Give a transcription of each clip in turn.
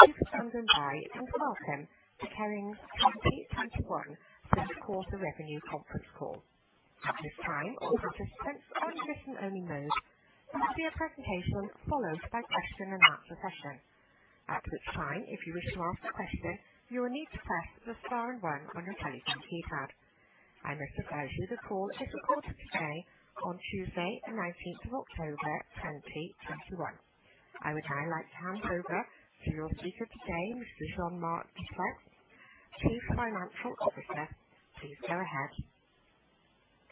Thank you for standing by, and welcome to Kering's complete third quarter revenue conference call. At this time, all participants are in listen-only mode. There will be a presentation followed by question-and-answer session. At which time, if you wish to ask a question, you will need to press star one on your telephone keypad. I would confirm the call is recorded today on Tuesday the 19th of October 2021. I would now like to hand over to your speaker today, Mr. Jean-Marc Duplaix, Chief Financial Officer. Please go ahead.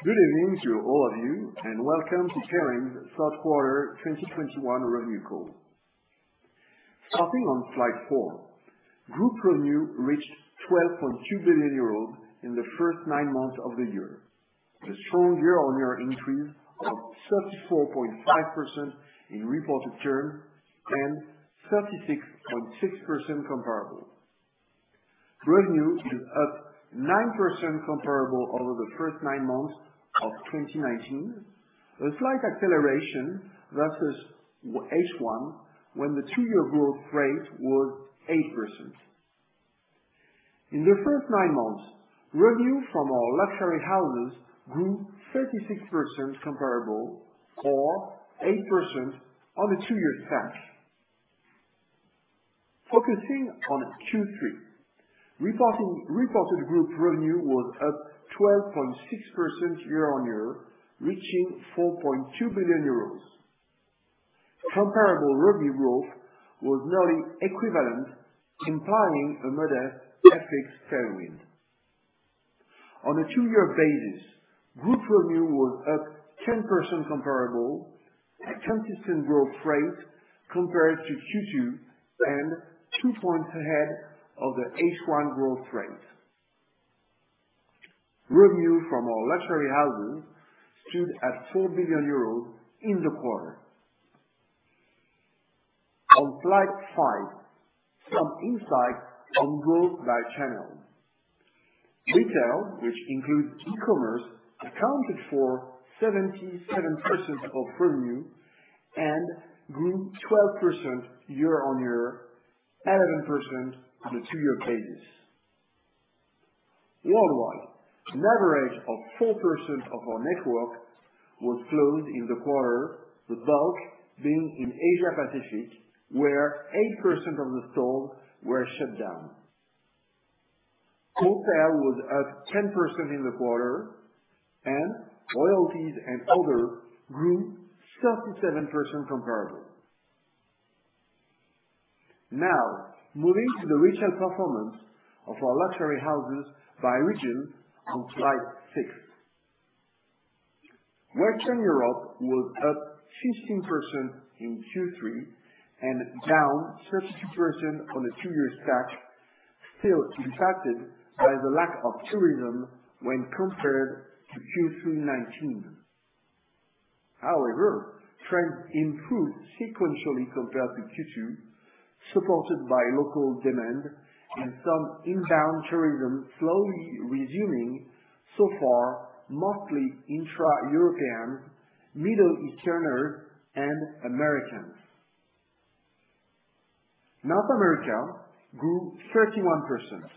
Good evening to all of you, welcome to Kering's third quarter 2021 revenue call. Starting on slide four. Group revenue reached 12.2 billion euros in the first nine months of the year, with a strong year-on-year increase of 34.5% in reported terms and 36.6% comparable. Revenue is up 9% comparable over the first nine months of 2019. A slight acceleration versus H1, when the two-year growth rate was 8%. In the first nine months, revenue from our luxury houses grew 36% comparable or 8% on a two-year stack. Focusing on Q3, reported group revenue was up 12.6% year-on-year, reaching 4.2 billion euros. Comparable revenue growth was nearly equivalent, implying a modest FX tailwind. On a two-year basis, group revenue was up 10% comparable. A consistent growth rate compared to Q2 and 2 points ahead of the H1 growth rate. Revenue from our luxury houses stood at 4 billion euros in the quarter. On slide five, some insight on growth by channel. Retail, which includes e-commerce, accounted for 77% of revenue and grew 12% year-over-year, 11% on a two-year basis. Worldwide, an average of 4% of our network was closed in the quarter, the bulk being in Asia Pacific, where 8% of the stores were shut down. Royalties and other grew 37% comparable. Moving to the retail performance of our luxury houses by region on slide six. Western Europe was up 15% in Q3, down 32% on a two-year stack, still impacted by the lack of tourism when compared to Q3 2019. However, trends improved sequentially compared to Q2, supported by local demand and some inbound tourism slowly resuming, so far, mostly intra-European, Middle Easterners, and Americans. North America grew 31%.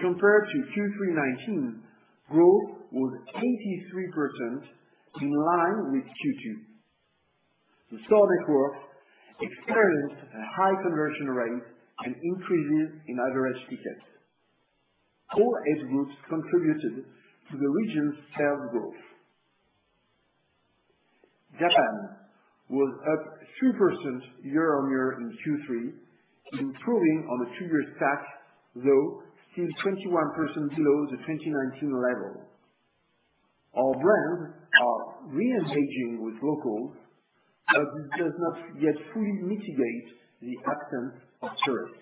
Compared to Q3 2019, growth was 83%, in line with Q2. The store network experienced a high conversion rate and increases in average ticket. All age groups contributed to the region's sales growth. Japan was up 3% year-on-year in Q3, improving on a two-year stack, though still 21% below the 2019 level. Our brands are re-engaging with locals, it does not yet fully mitigate the absence of tourists.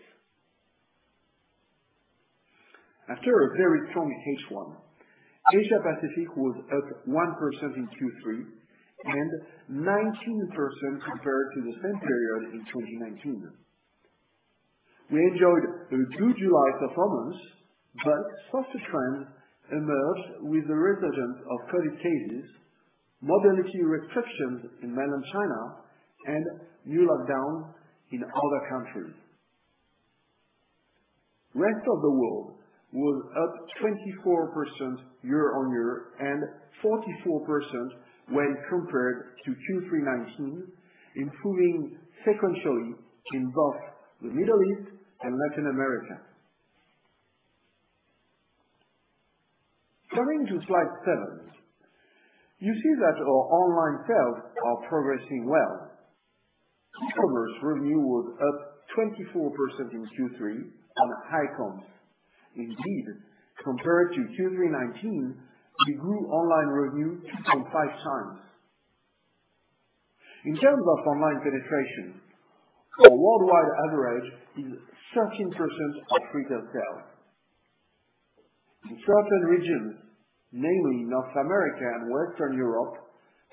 After a very strong H1, Asia Pacific was up 1% in Q3 and 19% compared to the same period in 2019. We enjoyed a good July performance, softer trends emerged with the resurgence of Covid cases, mobility restrictions in mainland China, and new lockdowns in other countries. Rest of the world was up 24% year-on-year and 44% when compared to Q3 2019, improving sequentially in both the Middle East and Latin America. Turning to slide seven You see that our online sales are progressing well. E-commerce revenue was up 24% in Q3 on high comps. Compared to Q3 2019, we grew online revenue 2.5x. In terms of online penetration, our worldwide average is 13% of retail sales. In certain regions, namely North America and Western Europe,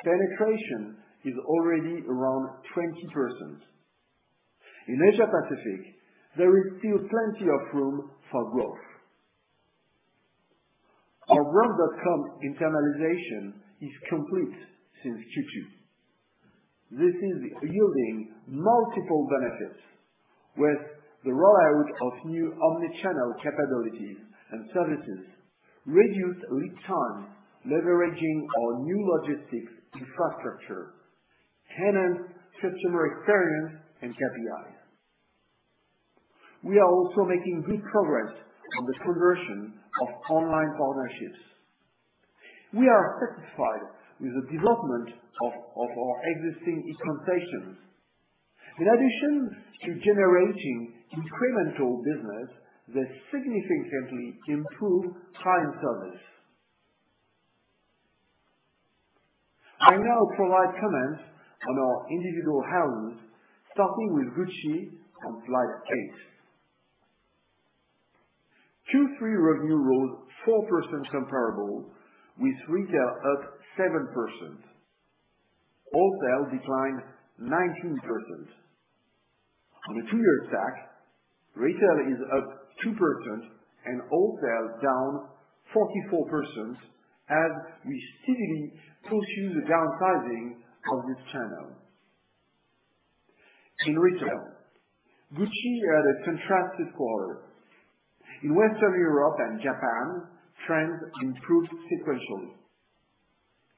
penetration is already around 20%. In Asia Pacific, there is still plenty of room for growth. Our brand.com internalization is complete since Q2. This is yielding multiple benefits with the rollout of new omni-channel capabilities and services, reduced lead time, leveraging our new logistics infrastructure, enhanced customer experience and KPI. We are also making good progress on the conversion of online partnerships. We are satisfied with the development of our existing implementations, in addition to generating incremental business that significantly improve client service. I now provide comments on our individual houses, starting with Gucci on slide eight. Q3 revenue rose 4% comparable with retail up 7%. Wholesale declined 19%. On the two-year stack, retail is up 2% and wholesale down 44%, as we steadily pursue the downsizing of this channel. In retail, Gucci had a contrasted quarter. In Western Europe and Japan, trends improved sequentially.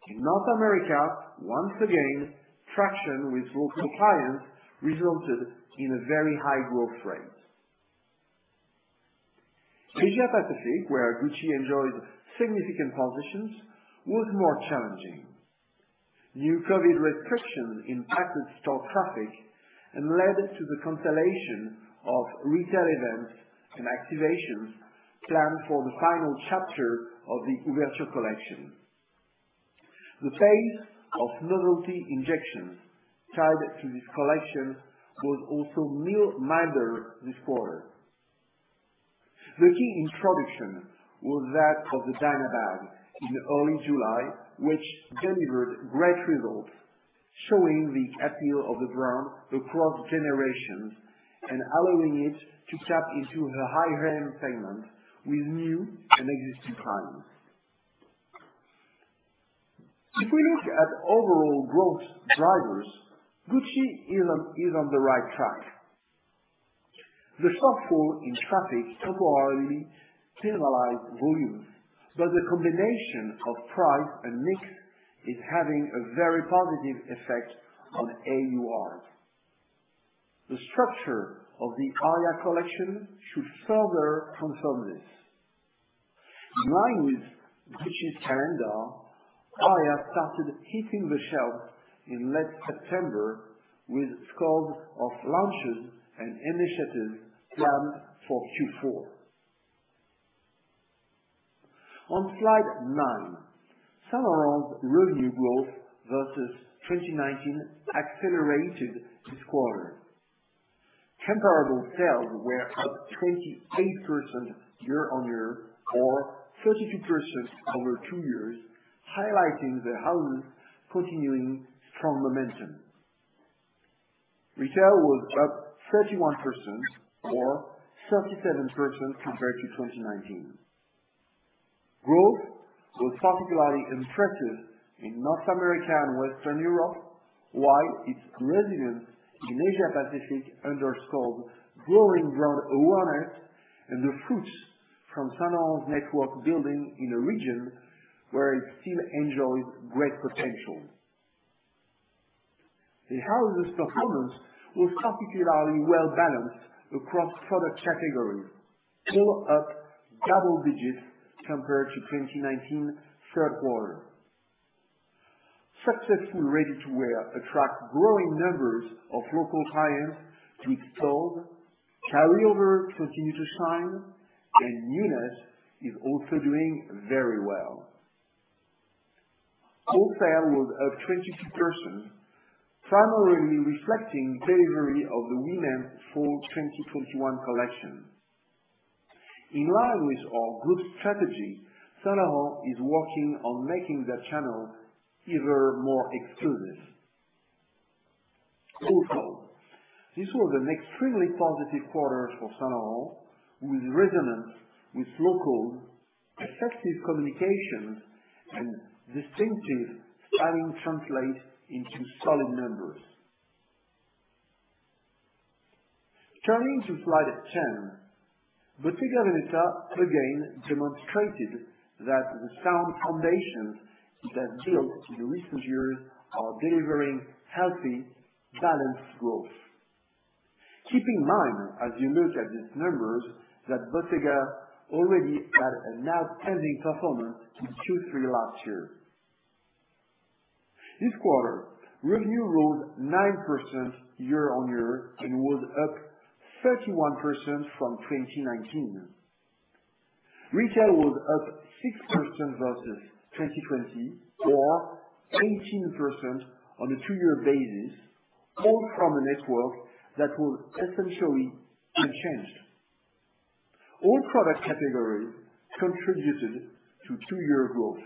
In North America, once again, traction with local clients resulted in a very high growth rate. Asia Pacific, where Gucci enjoys significant positions, was more challenging. New COVID restrictions impacted store traffic and led to the cancellation of retail events and activations planned for the final chapter of the Ouverture collection. The pace of novelty injections tied to this collection was also milder this quarter. The key introduction was that of the Diana bag in early July, which delivered great results, showing the appeal of the brand across generations and allowing it to tap into the high-end segment with new and existing clients. If we look at overall growth drivers, Gucci is on the right track. The shortfall in traffic temporarily penalized volumes, but the combination of price and mix is having a very positive effect on AUR. The structure of the Aria collection should further confirm this. In line with Gucci's calendar, Aria started hitting the shelves in late September with scores of launches and initiatives planned for Q4. On slide nine, Saint Laurent's revenue growth versus 2019 accelerated this quarter. Comparable sales were up 28% year-on-year or 32% over two years, highlighting the house continuing strong momentum. Retail was up 31% or 37% compared to 2019. Growth was particularly impressive in North America and Western Europe, while its resilience in Asia-Pacific underscored growing brand awareness and the fruits from Saint Laurent's network building in a region where it still enjoys great potential. The house's performance was particularly well-balanced across product categories; all up double digits compared to 2019 third quarter. Successful ready-to-wear attract growing numbers of local clients to its stores. Carryover continue to shine, and newness is also doing very well. Wholesale was up 22%, primarily reflecting delivery of the women fall 2021 collection. In line with our group strategy, Saint Laurent is working on making that channel ever more exclusive. Overall, this was an extremely positive quarter for Saint Laurent with resonance with local effective communications and distinctive styling translate into solid numbers. Turning to slide 10, Bottega Veneta again demonstrated that the sound foundations it has built in the recent years are delivering healthy, balanced growth. Keep in mind, as you look at these numbers, that Bottega already had an outstanding performance in Q3 last year. This quarter, revenue rose 9% year-on-year and was up 31% from 2019. Retail was up 6% versus 2020 or 18% on a two-year basis, all from a network that was essentially unchanged. All product categories contributed to two-year growth.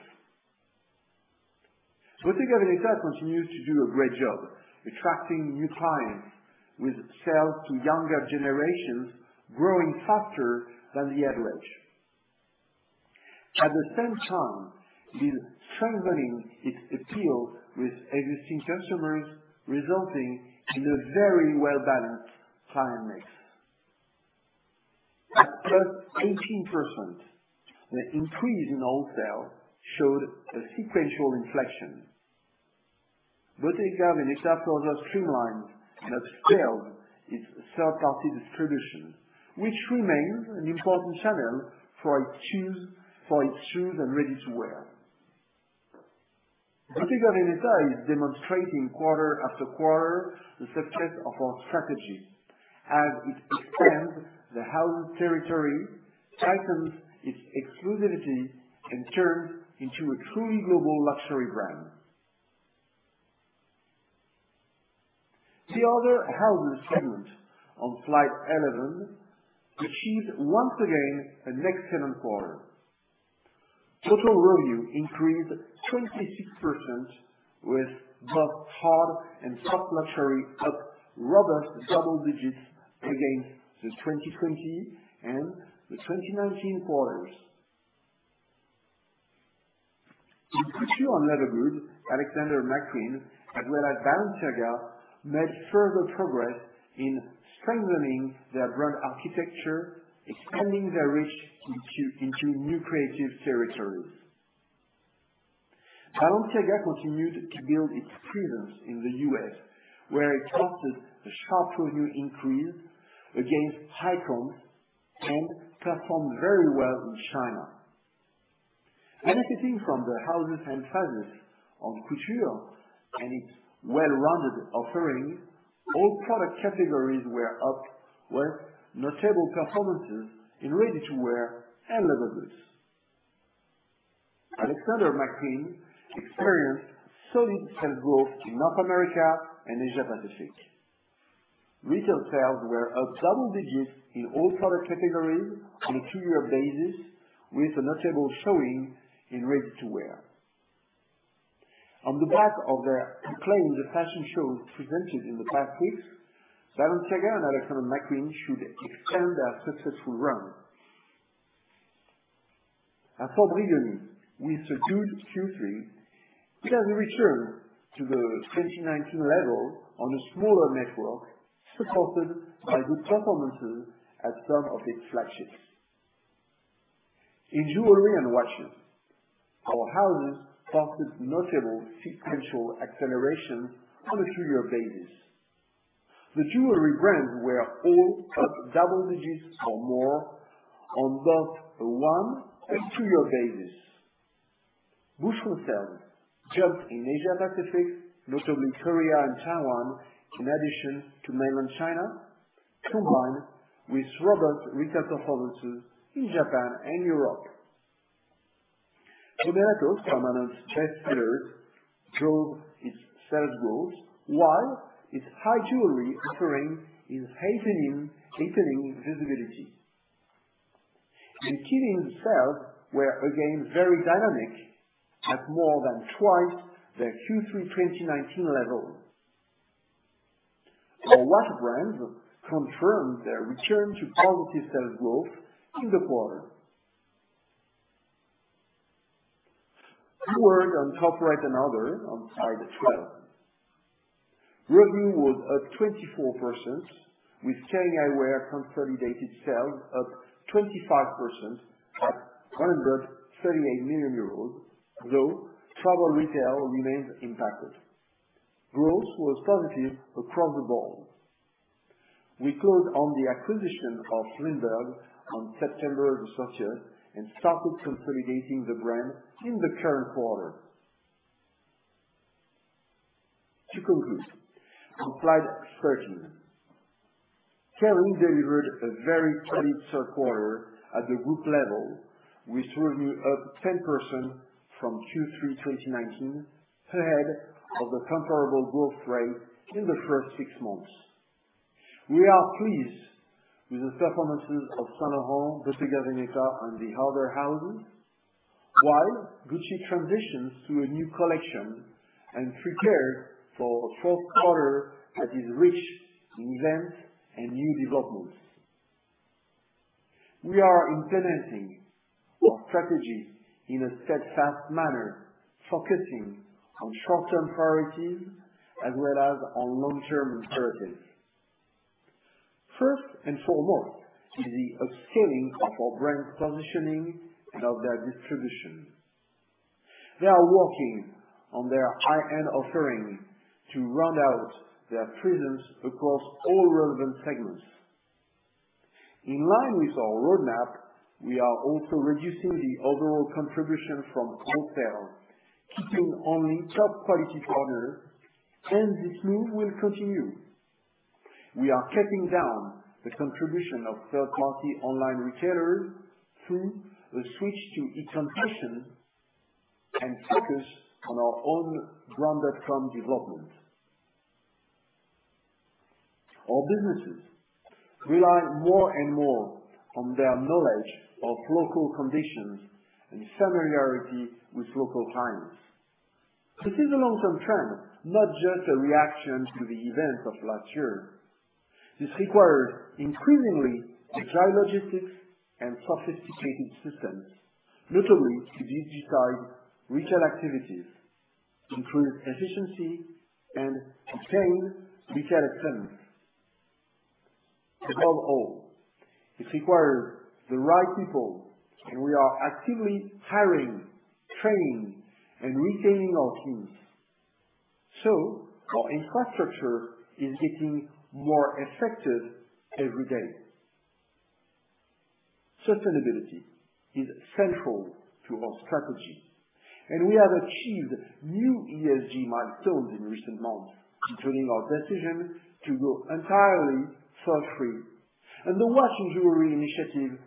Bottega Veneta continues to do a great job attracting new clients, with sales to younger generations growing faster than the average. At the same time, it is strengthening its appeal with existing customers, resulting in a very well-balanced client mix. At +18%, the increase in wholesale showed a sequential inflection. Bottega Veneta further streamlined but scaled its third-party distribution, which remains an important channel for its shoes and ready-to-wear. Bottega Veneta is demonstrating quarter after quarter the success of our strategy as it expands the house territory, tightens its exclusivity, and turns into a truly global luxury brand. The other houses segment on slide 11, achieved, once again, a excellent quarter. Total revenue increased 26%, with both hard and soft luxury up robust double digits against the 2020 and the 2019 quarters. In couture and leather goods, Alexander McQueen, as well as Balenciaga, made further progress in strengthening their brand architecture, expanding their reach into new creative territories. Balenciaga continued to build its presence in the U.S., where it posted a sharp revenue increase against high comps and performed very well in China. Benefiting from the house's emphasis on couture and its well-rounded offering, all product categories were up, with notable performances in ready-to-wear and leather goods. Alexander McQueen experienced solid sales growth in North America and Asia Pacific. Retail sales were up double digits in all product categories on a two-year basis, with a notable showing in ready-to-wear. On the back of their acclaimed fashion shows presented in the past weeks, Balenciaga and Alexander McQueen should extend their successful run. At Brioni, we subdued Q3. We have returned to the 2019 level on a smaller network, supported by good performances at some of its flagships. In jewelry and watches, our houses posted notable sequential acceleration on a two-year basis. The jewelry brands were all up double digits or more on both a one- and two-year basis. Boucheron jumped in Asia Pacific, notably Korea and Taiwan, in addition to mainland China, combined with robust retail performances in Japan and Europe. Pomellato, a permanent best seller, drove its sales growth while its high jewelry offering is heightening visibility. Qeelin sales were again very dynamic, at more than twice their Q3 2019 level. Our watch brands confirmed their return to positive sales growth in the quarter. A word on corporate and other on slide 12. Revenue was up 24%, with Kering Eyewear consolidated sales up 25% at 138 million euros, though travel retail remains impacted. Growth was positive across the board. We closed on the acquisition of Lindberg on September the 30th and started consolidating the brand in the current quarter. To conclude on slide 13, Kering delivered a very solid third quarter at the group level, with revenue up 10% from Q3 2019, ahead of the comparable growth rate in the first six months. We are pleased with the performances of Saint Laurent, Bottega Veneta, and the other houses, while Gucci transitions to a new collection and prepares for a fourth quarter that is rich in events and new developments. We are implementing our strategy in a steadfast manner, focusing on short-term priorities as well as on long-term priorities. First and foremost is the upscaling of our brand positioning and of their distribution. They are working on their high-end offering to round out their presence across all relevant segments. In line with our roadmap, we are also reducing the overall contribution from wholesale, keeping only top quality partners, and this move will continue. We are cutting down the contribution of third-party online retailers through a switch to e-concession and focus on our own brand.com development. Our businesses rely more and more on their knowledge of local conditions and familiarity with local clients. This is a long-term trend, not just a reaction to the events of last year. This requires increasingly agile logistics and sophisticated systems, notably to digitize retail activities, improve efficiency, and retain retail excellence. Above all, this requires the right people, and we are actively hiring, training, and retaining our teams. Our infrastructure is getting more effective every day. Sustainability is central to our strategy, and we have achieved new ESG milestones in recent months, including our decision to go entirely fur-free. The Watch and Jewelry Initiative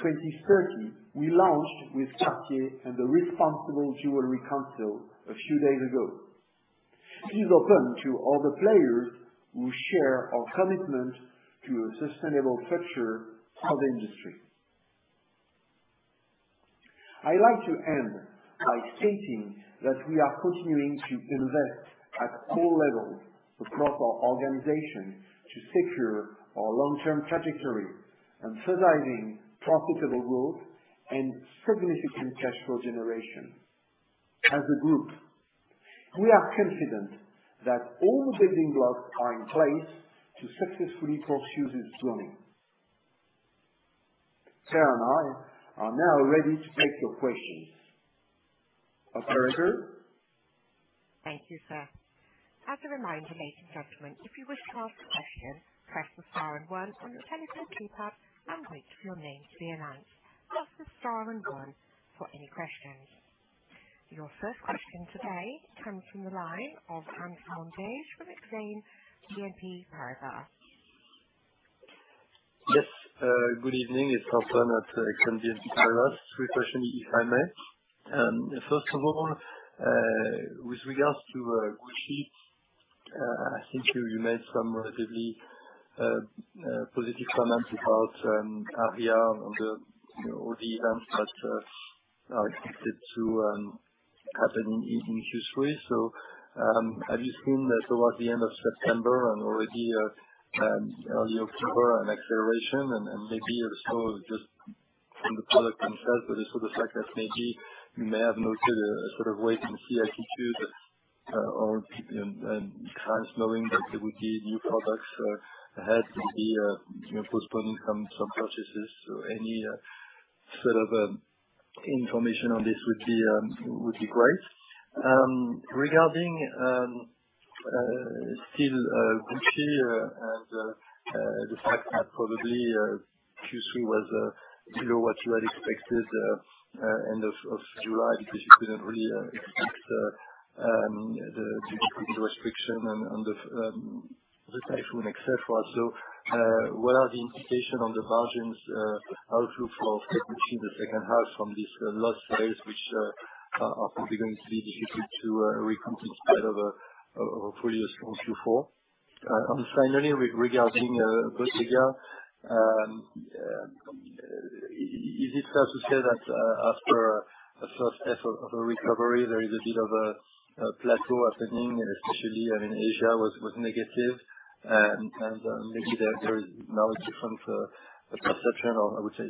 2030, we launched with Cartier and the Responsible Jewellery Council a few days ago. This is open to all the players who share our commitment to a sustainable future for the industry. I like to end by stating that we are continuing to invest at all levels across our organization to secure our long-term trajectory, emphasizing profitable growth and significant cash flow generation. As a group, we are confident that all the building blocks are in place to successfully pursue this journey. Claire and I are now ready to take your questions. Operator. Thank you, sir. As a reminder, ladies and gentlemen, if you wish to ask a question, press the star and one on your telephone keypad and wait for your name to be announced. Press the star and one for any questions. Your first question today comes from the line of Antoine Belge with Exane BNP Paribas. Yes. Good evening. It's Antoine at Exane BNP Paribas. Three questions, if I may. First of all, with regards to Gucci, I think you made some relatively positive comments about Aria and all the events that are expected to happen in Q3. Have you seen towards the end of September and already early October, an acceleration and maybe it was more just from the product itself, but it was the fact that maybe you may have noted a sort of wait-and-see attitude or clients knowing that there would be new products ahead, maybe postponing some purchases. Any sort of information on this would be great. Regarding Gucci and the fact that probably Q3 was below what you had expected end of July because you couldn't really expect the geographic restriction and the typhoon, et cetera. What are the implications on the margins outlook for second half from this lost sales, which are probably going to be difficult to recoup instead of fully on Q4? Finally, regarding Bottega. Is it fair to say that after a first half of a recovery, there is a bit of a plateau happening, and especially in Asia was negative? Maybe there is now a different perception or, I would say,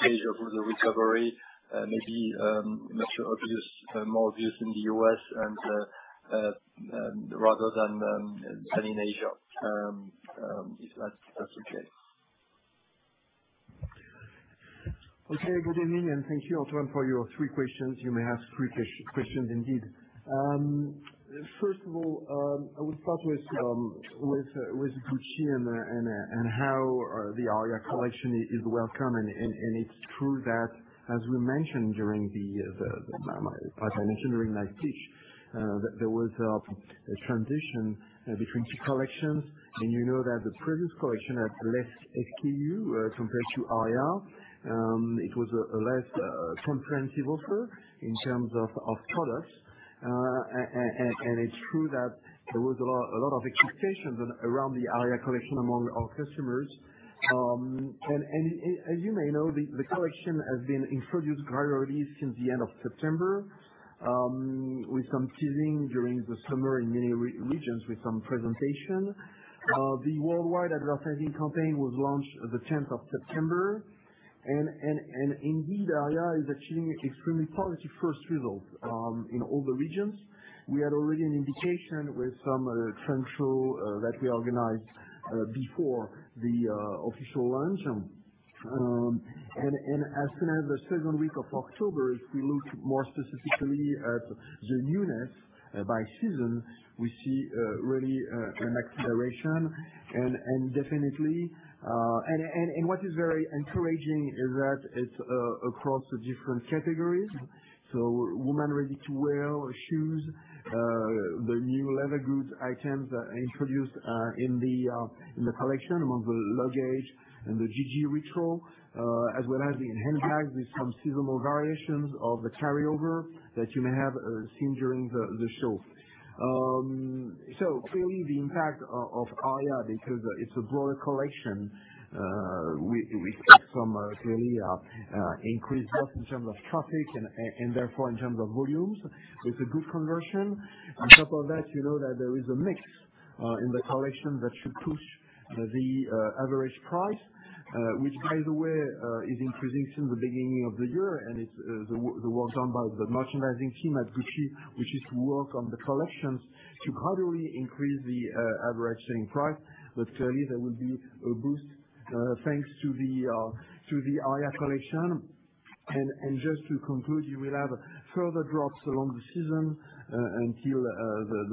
stage of the recovery, maybe not so obvious, more obvious in the U.S. and rather than in Asia. If that's okay. Okay. Good evening, and thank you, Antoine, for your three questions. You may ask three questions indeed. First of all, I would start with Gucci and how the Aria collection is welcome. It's true that as we mentioned during my speech, that there was a transition between two collections, and you know that the previous collection had less SKU, compared to Aria. It was a less comprehensive offer in terms of products. It's true that there was a lot of expectations around the Aria collection among our customers. As you may know, the collection has been introduced gradually since the end of September, with some teasing during the summer in many regions with some presentation. The worldwide advertising campaign was launched the 10th of September. Indeed, Aria is achieving extremely positive first results in all the regions. We had already an indication with some trend show that we organized before the official launch. As soon as the second week of October, if we look more specifically at the newness by season, we see really an acceleration. What is very encouraging is that it's across the different categories. Women ready-to-wear shoes, the new leather goods items that are introduced in the collection among the luggage and the GG Retro, as well as the handbags with some seasonal variations of the carryover that you may have seen during the show. Clearly, the impact of Aria, because it's a broader collection, we expect some clearly increase both in terms of traffic and therefore in terms of volumes. It's a good conversion. On top of that, you know that there is a mix. In the collection that should push the average price, which by the way, is increasing since the beginning of the year, and it's the work done by the merchandising team at Gucci, which is work on the collections to gradually increase the average selling price. Clearly there will be a boost, thanks to the Aria collection. Just to conclude, you will have further drops along the season, until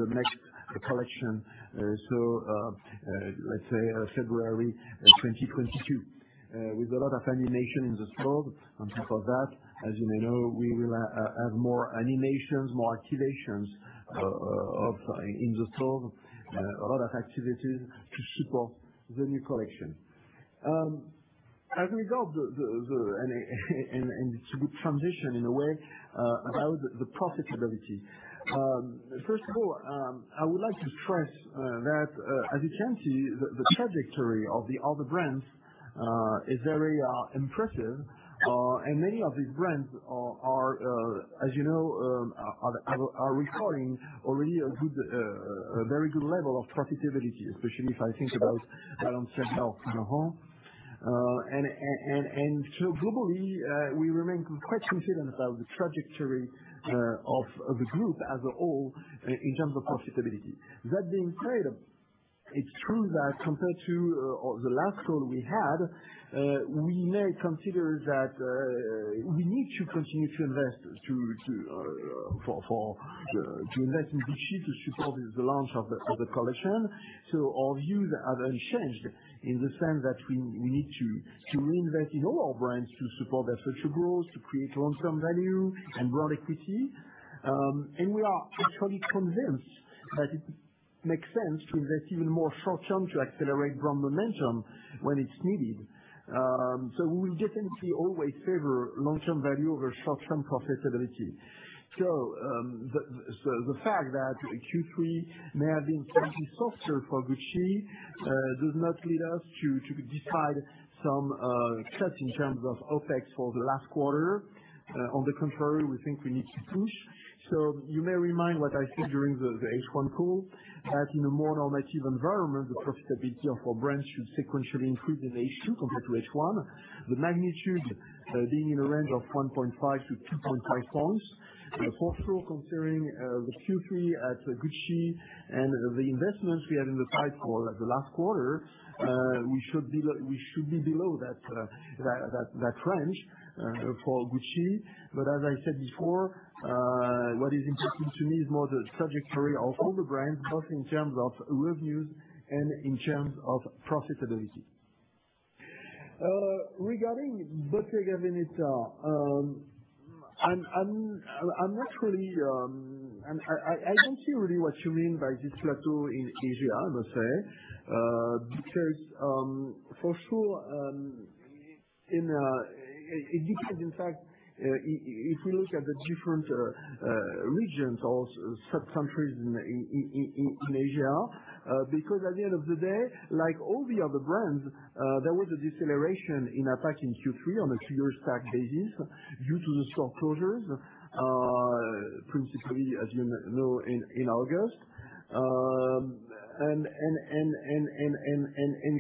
the next collection. Let's say February 2022. With a lot of animation in the store. For that, as you may know, we will have more animations, more activations in the store, a lot of activities to support the new collection as we go, and to transition in a way, about the profitability. First of all, I would like to stress that, as you can see, the trajectory of the other brands is very impressive. Many of these brands are, as you know, are recording already a very good level of profitability, especially if I think about Saint Laurent. Globally, we remain quite confident about the trajectory of the group as a whole in terms of profitability. That being said, it's true that compared to the last call we had, we may consider that we need to continue to invest in Gucci to support the launch of the collection. Our views haven't changed in the sense that we need to reinvest in all our brands to support their future growth, to create long-term value and brand equity. We are actually convinced that it makes sense to invest even more short-term to accelerate brand momentum when it's needed. We will definitely always favor long-term value over short-term profitability. The fact that Q3 may have been slightly softer for Gucci, does not lead us to decide some cuts in terms of OpEx for the last quarter. On the contrary, we think we need to push. You may remind what I said during the H1 call, as in a more normative environment, the profitability of our brands should sequentially improve in H2 compared to H1, the magnitude being in a range of 1.5 points-2.5 points. For sure, considering the Q3 at Gucci and the investments we had in the pipe for the last quarter, we should be below that range for Gucci. As I said before, what is interesting to me is more the trajectory of all the brands, both in terms of revenues and in terms of profitability. Regarding Bottega Veneta, I don't see really what you mean by this plateau in Asia, I must say. For sure, it depends, in fact, if you look at the different regions or sub-countries in Asia. At the end of the day, like all the other brands, there was a deceleration in APAC in Q3 on a two-year stack basis due to the store closures, principally, as you know, in August.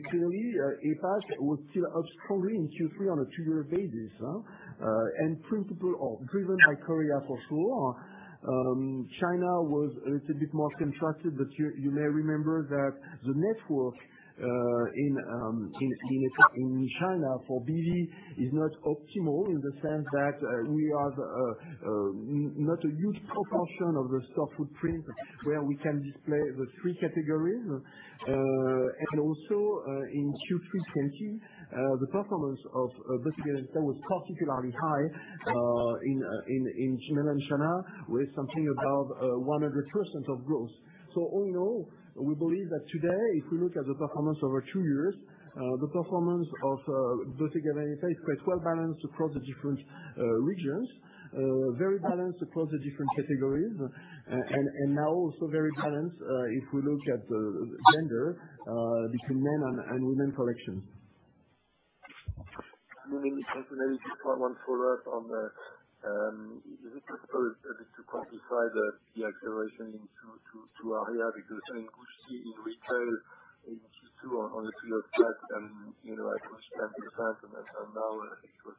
Clearly, APAC was still up strongly in Q3 on a two-year basis, driven by Korea for sure. China was a little bit more contracted, but you may remember that the network in China for BV is not optimal in the sense that we have not a huge proportion of the store footprint where we can display the three categories. Also, in Q3 2020, the performance of Bottega Veneta was particularly high in China and Shanghai, with something above 100% of growth. All in all, we believe that today, if we look at the performance over two years, the performance of Bottega Veneta is quite well-balanced across the different regions. Very balanced across the different categories. Now also very balanced if we look at gender, between men and women collections. Maybe just one follow-up on that. Is it possible just to quantify the acceleration in two areas? Kering Gucci in retail in Q2 on a two-year stack and at 20% and now it was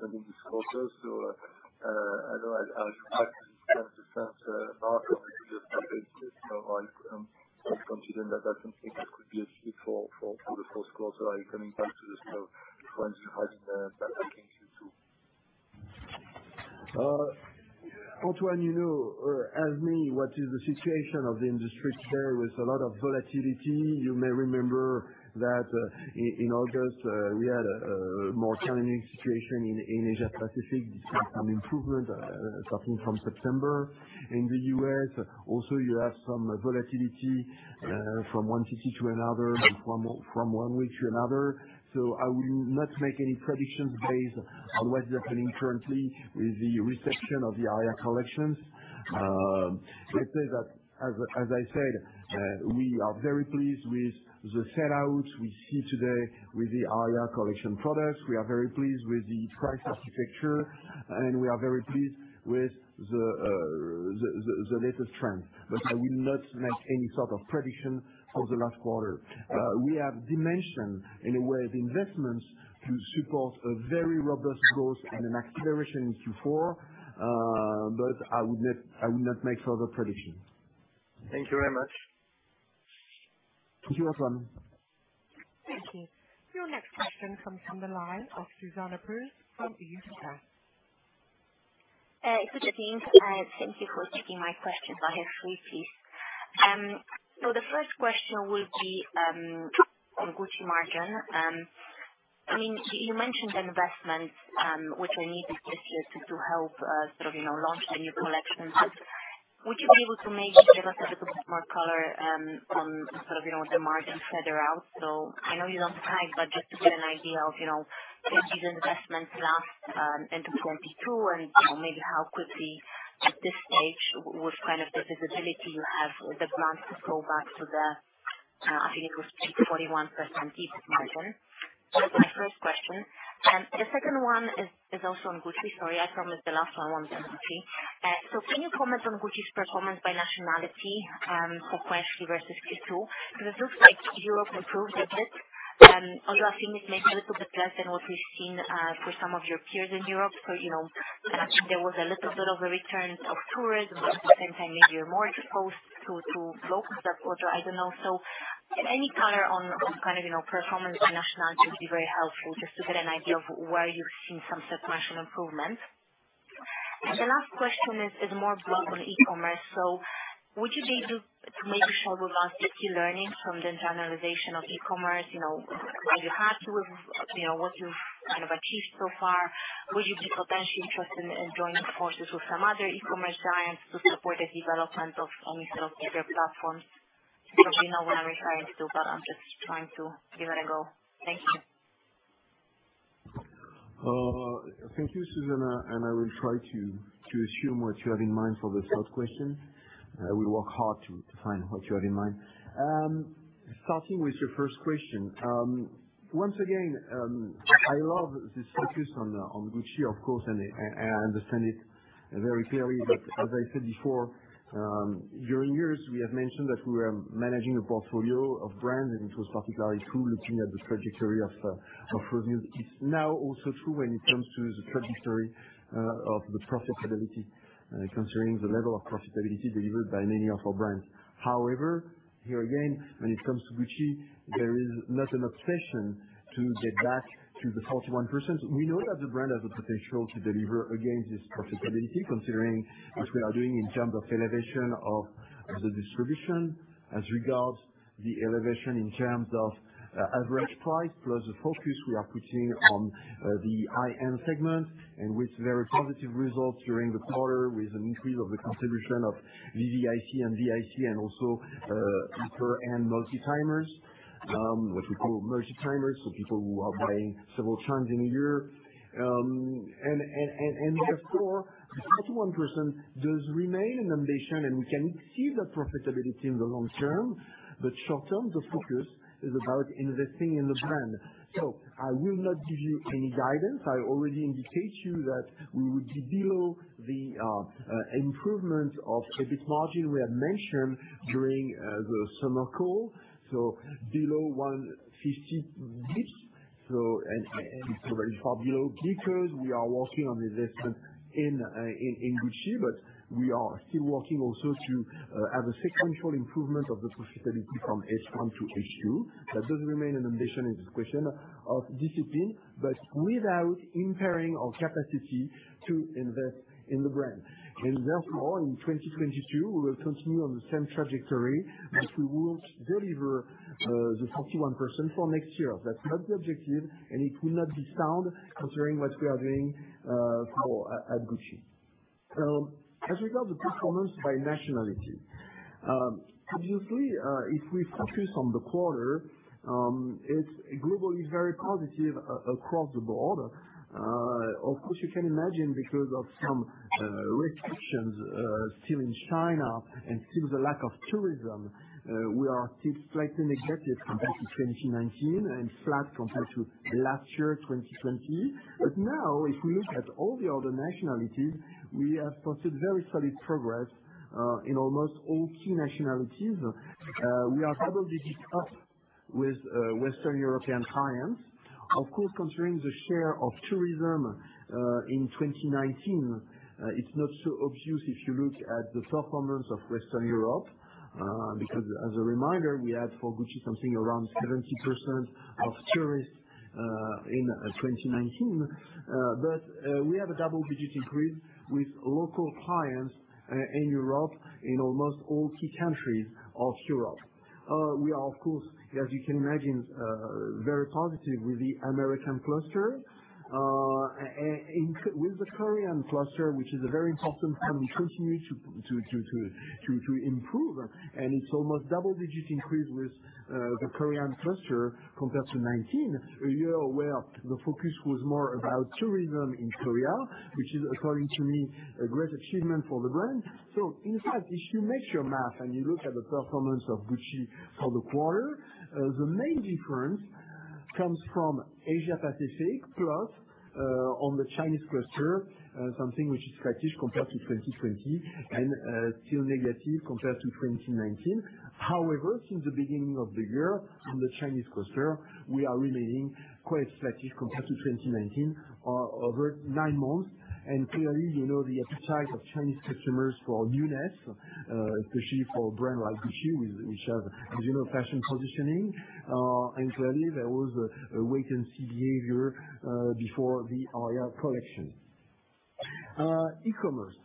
something softer. I know as you said, the benchmark on a two-year stack basis. I'm confident that I don't think that could be before the first quarter. Are you coming back to the store fronts as in back in Q2? Antoine, you know, ask me what is the situation of the industry today. There's a lot of volatility. You may remember that in August, we had a more challenging situation in APAC. We saw some improvement, starting from September. In the U.S., also, you have some volatility from one city to another, from one week to another. I will not make any predictions based on what's happening currently with the reception of the Aria collections. Let's say that, as I said, we are very pleased with the sell-out we see today with the Aria collection products. We are very pleased with the price architecture, and we are very pleased with the latest trend. I will not make any sort of prediction for the last quarter. We have dimension, in a way, the investments to support a very robust growth and an acceleration in Q4. I will not make further predictions. Thank you very much. Thank you Antoine Thank you. Your next question comes on the line of Zuzanna Pusz from UBS. Thank you for sticking my questions. I have three, please. The first question will be on Gucci margin. You mentioned investments, which will need this business to help launch the new collections. Would you be able to maybe give us a little bit more color on the margin further out? I know you don't have time, but just to get an idea of if these investments last into 2022 and maybe how quickly at this stage, with the visibility you have the plans to go back to the, I think it was 41% margin. That's my first question. The second one is also on Gucci. Sorry, I promise the last one won't be on Gucci. Can you comment on Gucci's performance by nationality for Q1 versus Q2? Because it looks like Europe improved a bit, although I think it's maybe a little bit less than what we've seen for some of your peers in Europe. There was a little bit of a return of tourism, but at the same time, maybe you're more exposed to local support. I don't know. Any color on performance by nationality would be very helpful just to get an idea of where you've seen some substantial improvement. The last question is more broad on e-commerce. Would you maybe share with us the key learnings from the internalization of e-commerce? Where you had to, what you've achieved so far? Would you be potentially interested in joining forces with some other e-commerce giants to support the development of any set of bigger platforms? You probably know where I'm trying to, but I'm just trying to give it a go. Thank you. Thank you, Zuzanna, I will try to assume what you have in mind for the third question. I will work hard to find what you have in mind. Starting with your first question. Once again, I love this focus on Gucci, of course, and I understand it very clearly. As I said before, during years, we have mentioned that we were managing a portfolio of brands, and it was particularly true looking at the trajectory of revenues. It is now also true when it comes to the trajectory of the profitability, concerning the level of profitability delivered by many of our brands. However, here again, when it comes to Gucci, there is not an obsession to get back to the 41%. We know that the brand has the potential to deliver, again, this profitability, considering what we are doing in terms of elevation of the distribution as regards the elevation in terms of average price, plus the focus we are putting on the high-end segment, and with very positive results during the quarter, with an increase of the contribution of VVIC and VIC and also deeper-end multi-timers, what we call multi-timers, so people who are buying several times in a year. Therefore, the 41% does remain an ambition, and we can achieve that profitability in the long term. Short term, the focus is about investing in the brand. I will not give you any guidance. I already indicate to you that we would be below the improvement of EBIT margin we have mentioned during the summer call. Below 150 basis points, and it's already far below because we are working on investment in Gucci, but we are still working also to have a sequential improvement of the profitability from H1 to H2. That does remain an ambition. It's a question of discipline, but without impairing our capacity to invest in the brand. Therefore, in 2022, we will continue on the same trajectory, but we won't deliver the 41% for next year. That's not the objective, and it will not be sound considering what we are doing at Gucci. As regards the performance by nationality. Obviously, if we focus on the quarter, it's globally very positive across the board. Of course, you can imagine because of some restrictions still in China and still the lack of tourism, we are still slightly negative compared to 2019 and flat compared to last year, 2020. Now, if we look at all the other nationalities, we have posted very solid progress in almost all key nationalities. We are double digits up with Western European clients. Of course, considering the share of tourism in 2019, it's not so obvious if you look at the performance of Western Europe, because as a reminder, we had for Gucci something around 70% of tourists in 2019. We have a double-digit increase with local clients in Europe, in almost all key countries of Europe. We are, of course, as you can imagine, very positive with the American cluster. With the Korean cluster, which is a very important cluster, we continue to improve, and it's almost double-digit increase with the Korean cluster compared to 2019, a year where the focus was more about tourism in Korea, which is, according to me, a great achievement for the brand. In fact, if you make your math and you look at the performance of Gucci for the quarter, the main difference comes from Asia Pacific. On the Chinese cluster, something which is strategic compared to 2020 and still negative compared to 2019. However, since the beginning of the year, on the Chinese cluster, we are remaining quite strategic compared to 2019 over nine months. Clearly, the appetite of Chinese customers for newness, especially for a brand like Gucci, which has a general fashion positioning. Clearly, there was a wait-and-see behavior before the Aria collection. E-commerce.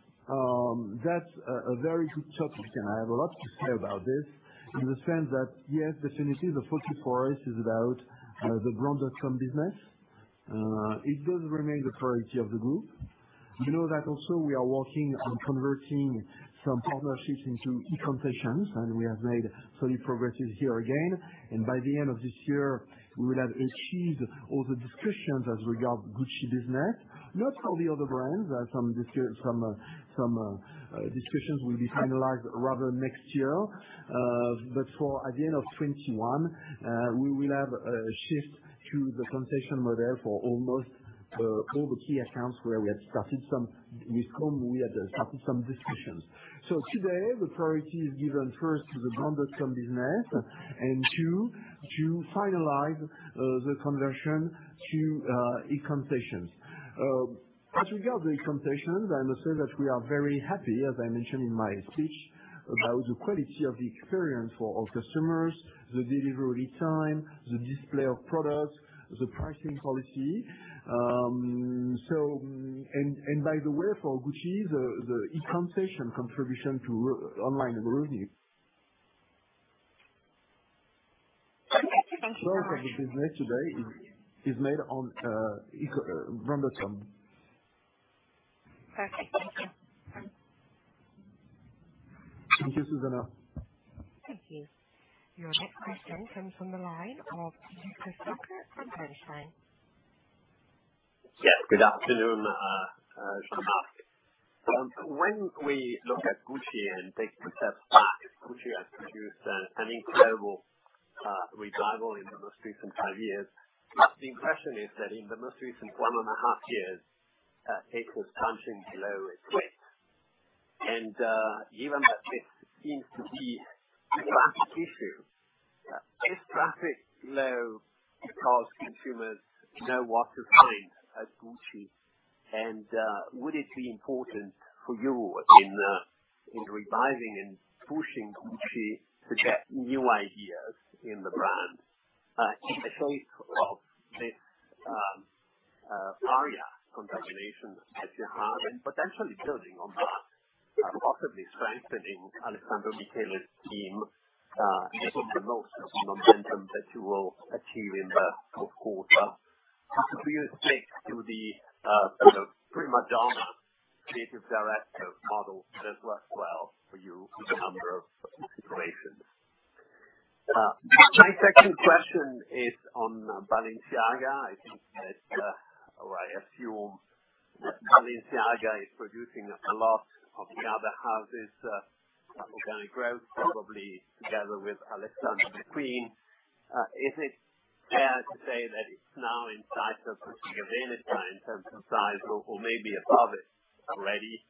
That's a very good topic, and I have a lot to say about this in the sense that, yes, definitely, the 44% is about the brand.com business. It does remain the priority of the group. You know that also we are working on converting some partnerships into e-concessions, we have made solid progresses here again. By the end of this year, we will have achieved all the discussions as regard Gucci business, not for the other brands, as some discussions will be finalized rather next year. For at the end of 2021, we will have a shift to the concession model for almost all the key accounts with whom we have started some discussions. Today, the priority is given first to the brand.com business, and two, to finalize the conversion to e-concessions. As regards the e-concessions, I must say that we are very happy, as I mentioned in my speech, about the quality of the experience for our customers, the delivery time, the display of products, the pricing policy. By the way, for Gucci, the e-concession contribution to online revenue. Okay. Thank you very much. Most of the business today is made on brand.com. Perfect. Thank you. Thank you, Zuzanna. Thank you. Your next question comes from the line of Luca Solca from Bernstein. Yes, good afternoon, Jean-Marc. When we look at Gucci and take two steps back, Gucci has produced an incredible revival in the most recent five years. Given that this seems to be a traffic issue, is traffic low because consumers know what to find at Gucci? And, would it be important for you in reviving and pushing Gucci to get new ideas in the brand, in the case of this Aria continuation that you have, and potentially building on that, possibly strengthening Alessandro Michele's team to build the most on the momentum that you will achieve in the fourth quarter? Do you stick to the Prima Donna creative director model that has worked well for you with a number of iterations? My second question is on Balenciaga. I think that, or I assume that Balenciaga is producing a lot of the other houses' organic growth, probably together with Alexander McQueen. Is it fair to say that it's now in sight of Saint Laurent in terms of size or maybe above it already?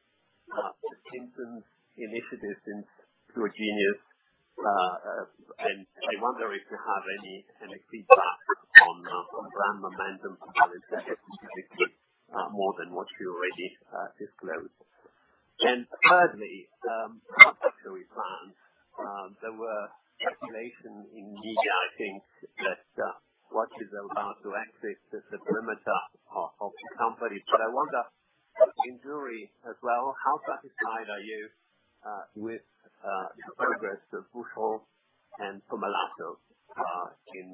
Given initiatives in China, I wonder if you have any feedback on brand momentum from Balenciaga, specifically, more than what you already disclosed. Thirdly, back to the brands, there were speculation in media, I think, that watches are about to exit the perimeter of the company. I wonder, in jewelry as well, how satisfied are you, with the progress of Boucheron and Pomellato in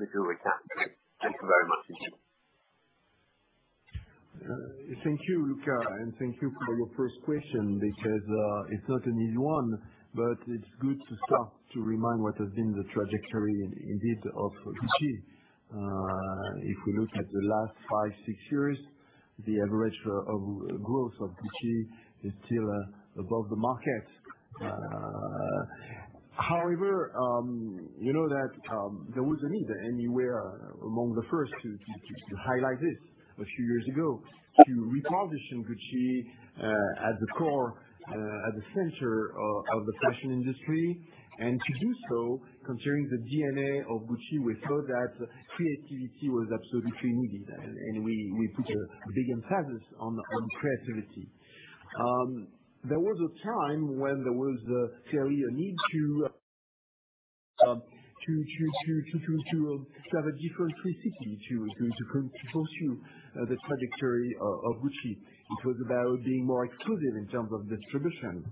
the jewelry category? Thank you very much. Thank you, Luca, thank you for your first question because it's not an easy one, but it's good to start to remind what has been the trajectory indeed of Gucci. If we look at the last five, six years, the average of growth of Gucci is still above the market. However, you know that there was a need, and we were among the first to highlight this a few years ago, to reposition Gucci, at the core, at the center of the fashion industry. To do so, considering the DNA of Gucci, we thought that creativity was absolutely needed, and we put a big emphasis on creativity. There was a time when there was clearly a need to have a different specificity to pursue the trajectory of Gucci. It was about being more exclusive in terms of distribution.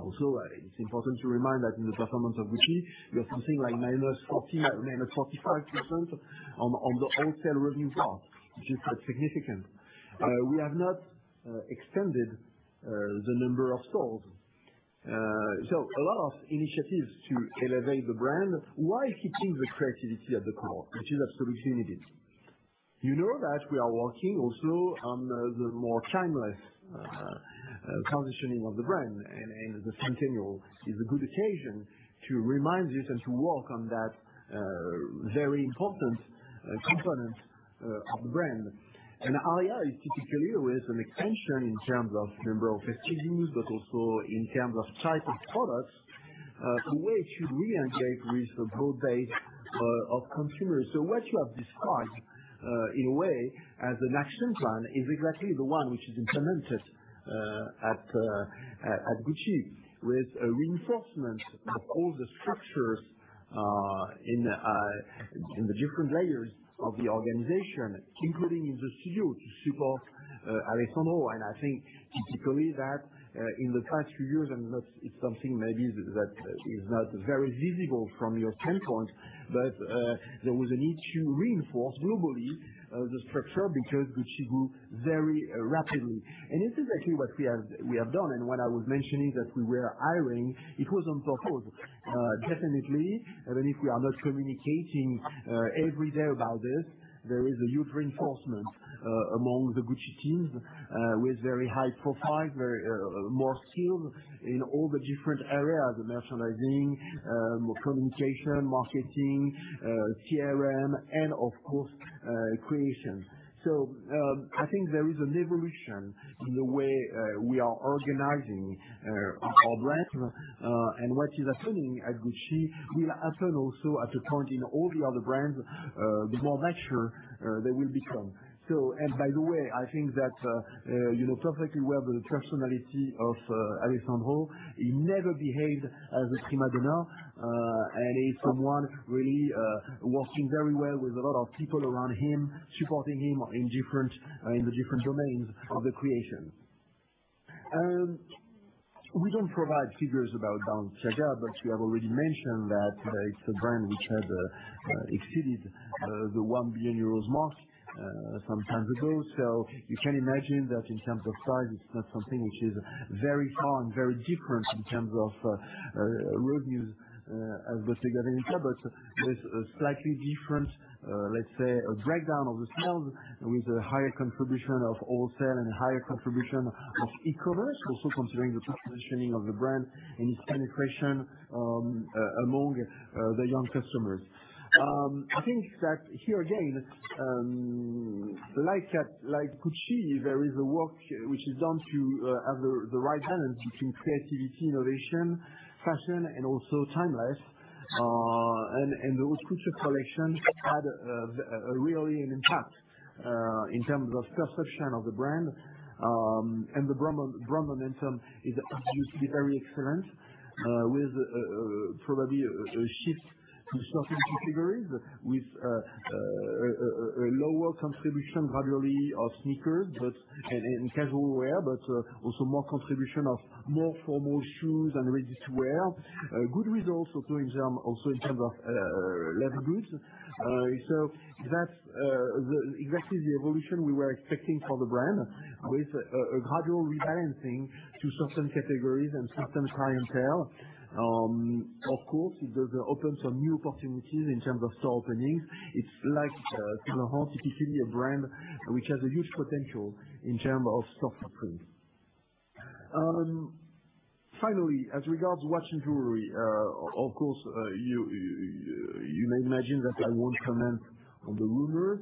Also, it's important to remind that in the performance of Gucci, we have something like -40%, -45% on the wholesale revenue part, which is quite significant. We have not extended the number of stores. A lot of initiatives to elevate the brand while keeping the creativity at the core, which is absolutely needed. You know that we are working also on the more timeless positioning of the brand, and the centennial is a good occasion to remind this and to work on that very important component of the brand. Aria is particularly with an extension in terms of number of SKUs, but also in terms of type of products. The way it should reengage with the broad base of consumers. What you have described, in a way, as an action plan, is exactly the one which is implemented at Gucci, with a reinforcement of all the structures in the different layers of the organization, including in the studio to support Alessandro. I think typically that in the past few years, and that's something maybe that is not very visible from your standpoint, but there was a need to reinforce globally, the structure, because Gucci grew very rapidly. This is actually what we have done, and what I was mentioning that we were hiring, it was on purpose. Definitely, even if we are not communicating every day about this, there is a huge reinforcement among the Gucci teams, with very high profile, more skilled in all the different areas, the merchandising, communication, marketing, CRM, and of course, creation. I think there is an evolution in the way we are organizing our brand, and what is happening at Gucci will happen also at a point in all the other brands, the more mature they will become. By the way, I think that you know perfectly well the personality of Alessandro. He never behaved as a prima donna, and he's someone really working very well with a lot of people around him, supporting him in the different domains of the creation. We don't provide figures about Balenciaga, but you have already mentioned that it's a brand which had exceeded the 1 billion euros mark some time ago. You can imagine that in terms of size, it's not something which is very far and very different in terms of revenues as Bottega Veneta, but with a slightly different, let's say, a breakdown of the sales, with a higher contribution of wholesale and a higher contribution of e-commerce. Also considering the positioning of the brand and its penetration among the young customers. I think that here again, like Gucci, there is a work which is done to have the right balance between creativity, innovation, fashion, and also timeless. Those couture collections had really an impact, in terms of perception of the brand. The brand momentum is obviously very excellent, with probably a shift to certain categories with a lower contribution gradually of sneakers and casual wear, but also more contribution of more formal shoes and ready-to-wear. Good results also in terms of leather goods. That's exactly the evolution we were expecting for the brand, with a gradual rebalancing to certain categories and certain clientele. Of course, it does open some new opportunities in terms of store openings. It's like Saint Laurent, typically a brand which has a huge potential in terms of store footprint. Finally, as regards watch and jewelry, of course, you may imagine that I won't comment on the rumors.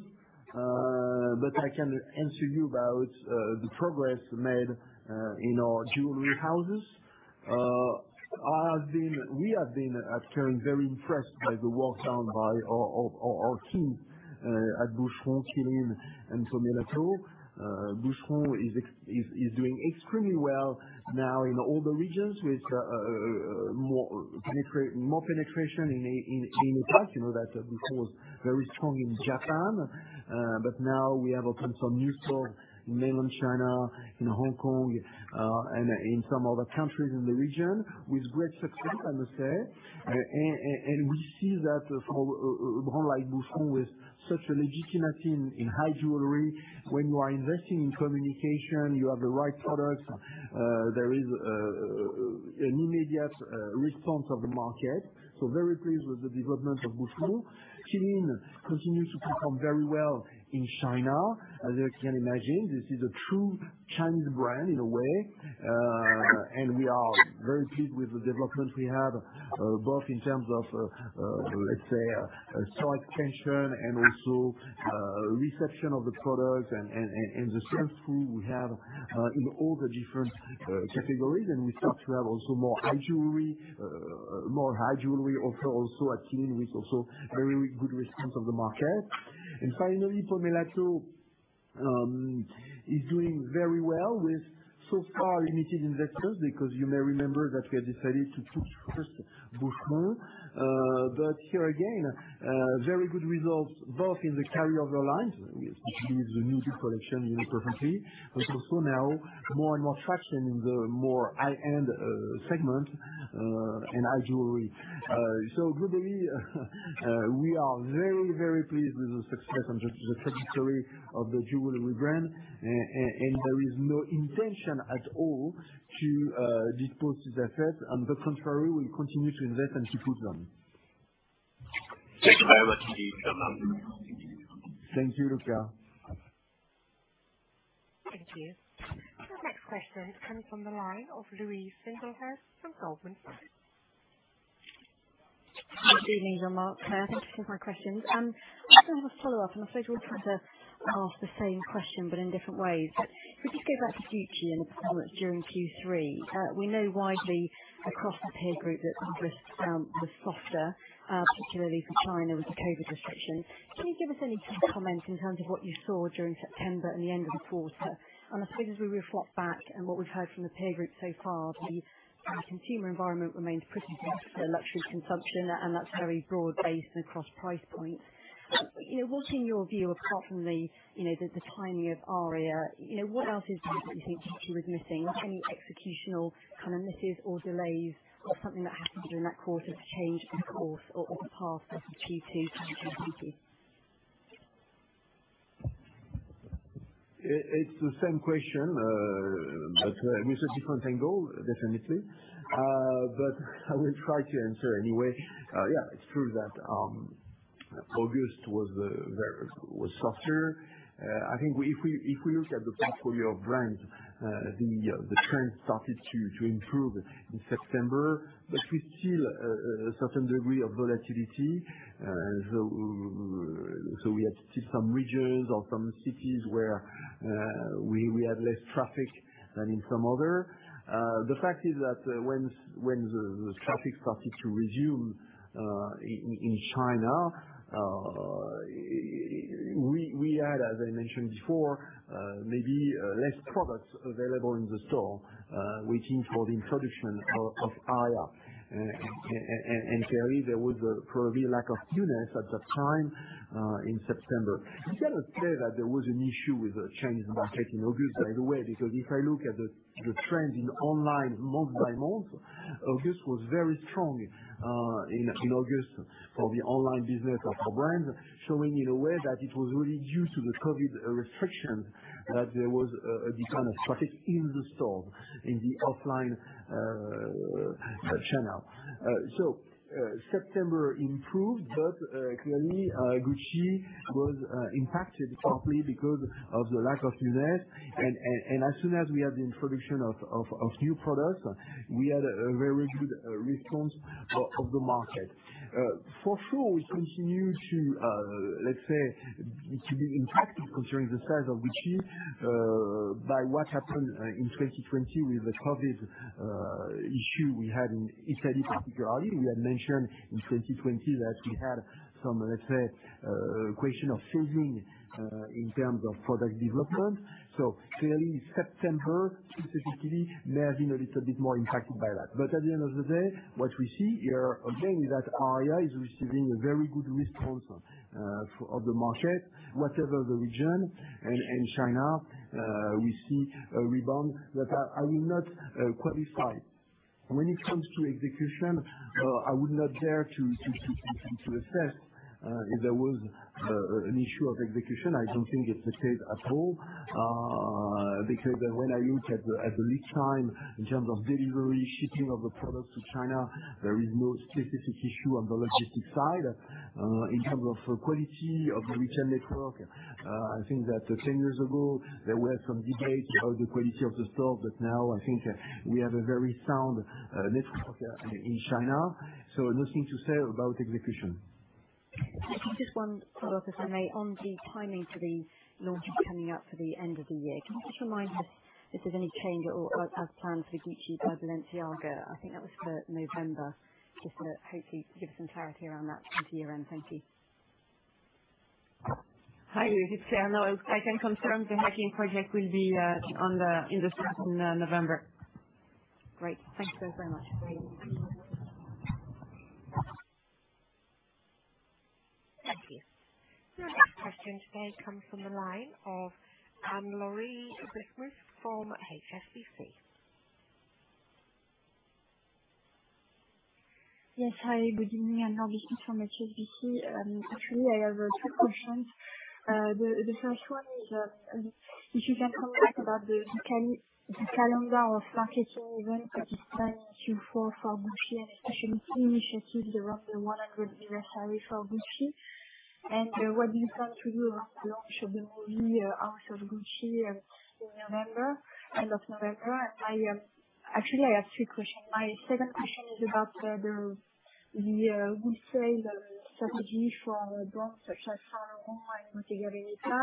I can answer you about the progress made in our jewelry houses. We have been, actually, very impressed by the work done by our team at Boucheron, Qeelin and Pomellato. Boucheron is doing extremely well now in all the regions, with more penetration in APAC. You know that Boucheron was very strong in Japan. Now we have opened some new stores in mainland China, in Hong Kong, and in some other countries in the region, with great success, I must say. We see that for a brand like Boucheron, with such a legitimacy in high jewelry, when you are investing in communication, you have the right products, there is an immediate response of the market. Very pleased with the development of Boucheron. Qeelin continues to perform very well in China. As you can imagine, this is a true Chinese brand in a way. We are very pleased with the development we have, both in terms of, let's say, store expansion and also reception of the products and the sales too we have in all the different categories. We start to have also more high jewelry offered also at Qeelin, with also very good response of the market. Finally, Pomellato is doing very well with so far limited investments, because you may remember that we had decided to push first Boucheron. Here again, very good results both in the carry-over lines, specifically the new collection but also now more and more traction in the more high-end segment in high jewelry. Globally, we are very pleased with the success and the trajectory of the jewelry brand. There is no intention at all to dispose the assets. On the contrary, we continue to invest and to push them. Thank you very much indeed, Jean-Marc. Thank you, Luca. Thank you. Our next question comes on the line of Louise Singlehurst from Goldman Sachs. Good evening, Jean-Marc, Claire. Thank you for my questions. I just have a follow-up, and I'm sure we'll try to ask the same question, but in different ways. Could we just go back to Gucci and the performance during Q3? We know widely across the peer group that August was softer, particularly for China, with the COVID restrictions. Can you give us any comment in terms of what you saw during September and the end of the quarter? I suppose as we reflect back and what we've heard from the peer group so far, the consumer environment remains pretty for luxury consumption, and that's very broad-based and across price points. What, in your view, apart from the timing of Aria, what else is it that you think Gucci was missing? Any executional misses or delays or something that happened during that quarter to change the course or the path of Gucci from Q2? It's the same question, with a different angle, definitely. I will try to answer anyway. Yeah, it's true that August was softer. I think if we look at the portfolio of brands, the trend started to improve in September, but we still, a certain degree of volatility. We had some regions or some cities where we had less traffic than in some others. The fact is that when the traffic started to resume in China, we had, as I mentioned before, maybe less products available in the store, waiting for the introduction of Aria. Clearly, there was probably a lack of units at that time in September. We cannot say that there was an issue with the Chinese market in August, by the way, because if I look at the trend in online month by month, August was very strong in August for the online business of our brands, showing in a way that it was really due to the COVID restriction, that there was a decline of traffic in the store, in the offline channel. September improved, but clearly Gucci was impacted partly because of the lack of units. As soon as we had the introduction of new products, we had a very good response of the market. For sure, we continue to, let's say, to be impacted considering the size of Gucci, by what happened in 2020 with the COVID issue we had in Italy particularly. We had mentioned in 2020 that we had some, let's say, question of scheduling in terms of product development. Clearly September specifically may have been a little bit more impacted by that. At the end of the day, what we see here again is that Aria is receiving a very good response of the market, whatever the region. In China, we see a rebound that I will not qualify. When it comes to execution, I would not dare to assess if there was an issue of execution. I don't think it's the case at all. When I look at the lead time in terms of delivery, shipping of the products to China, there is no specific issue on the logistics side. In terms of quality of the retail network, I think that 10 years ago, there were some debates about the quality of the stores, but now I think we have a very sound network in China, so nothing to say about execution. Just one follow-up, if I may. On the timing for the launches coming up for the end of the year, can you just remind us if there's any change at all as planned for Gucci by Balenciaga? I think that was for November. Just to hopefully give some clarity around that into year-end. Thank you. Hi, it's Claire. No, I can confirm the Hacking Project will be in the stores in November. Great. Thank you both very much. Thank you. Your next question today comes from the line of Anne-Laure Bismuth from HSBC. Yes. Hi, good evening. Anne-Laure Bismuth from HSBC. Actually, I have three questions. The first one is, if you can comment about the calendar of marketing events planned in Q4 for Gucci and especially initiatives around the 100 anniversary for Gucci. What do you plan to do around the launch of the movie, "House of Gucci" in November, end of November? Actually, I have three questions. My second question is about the wholesale strategy for brands such as Saint Laurent and Bottega Veneta.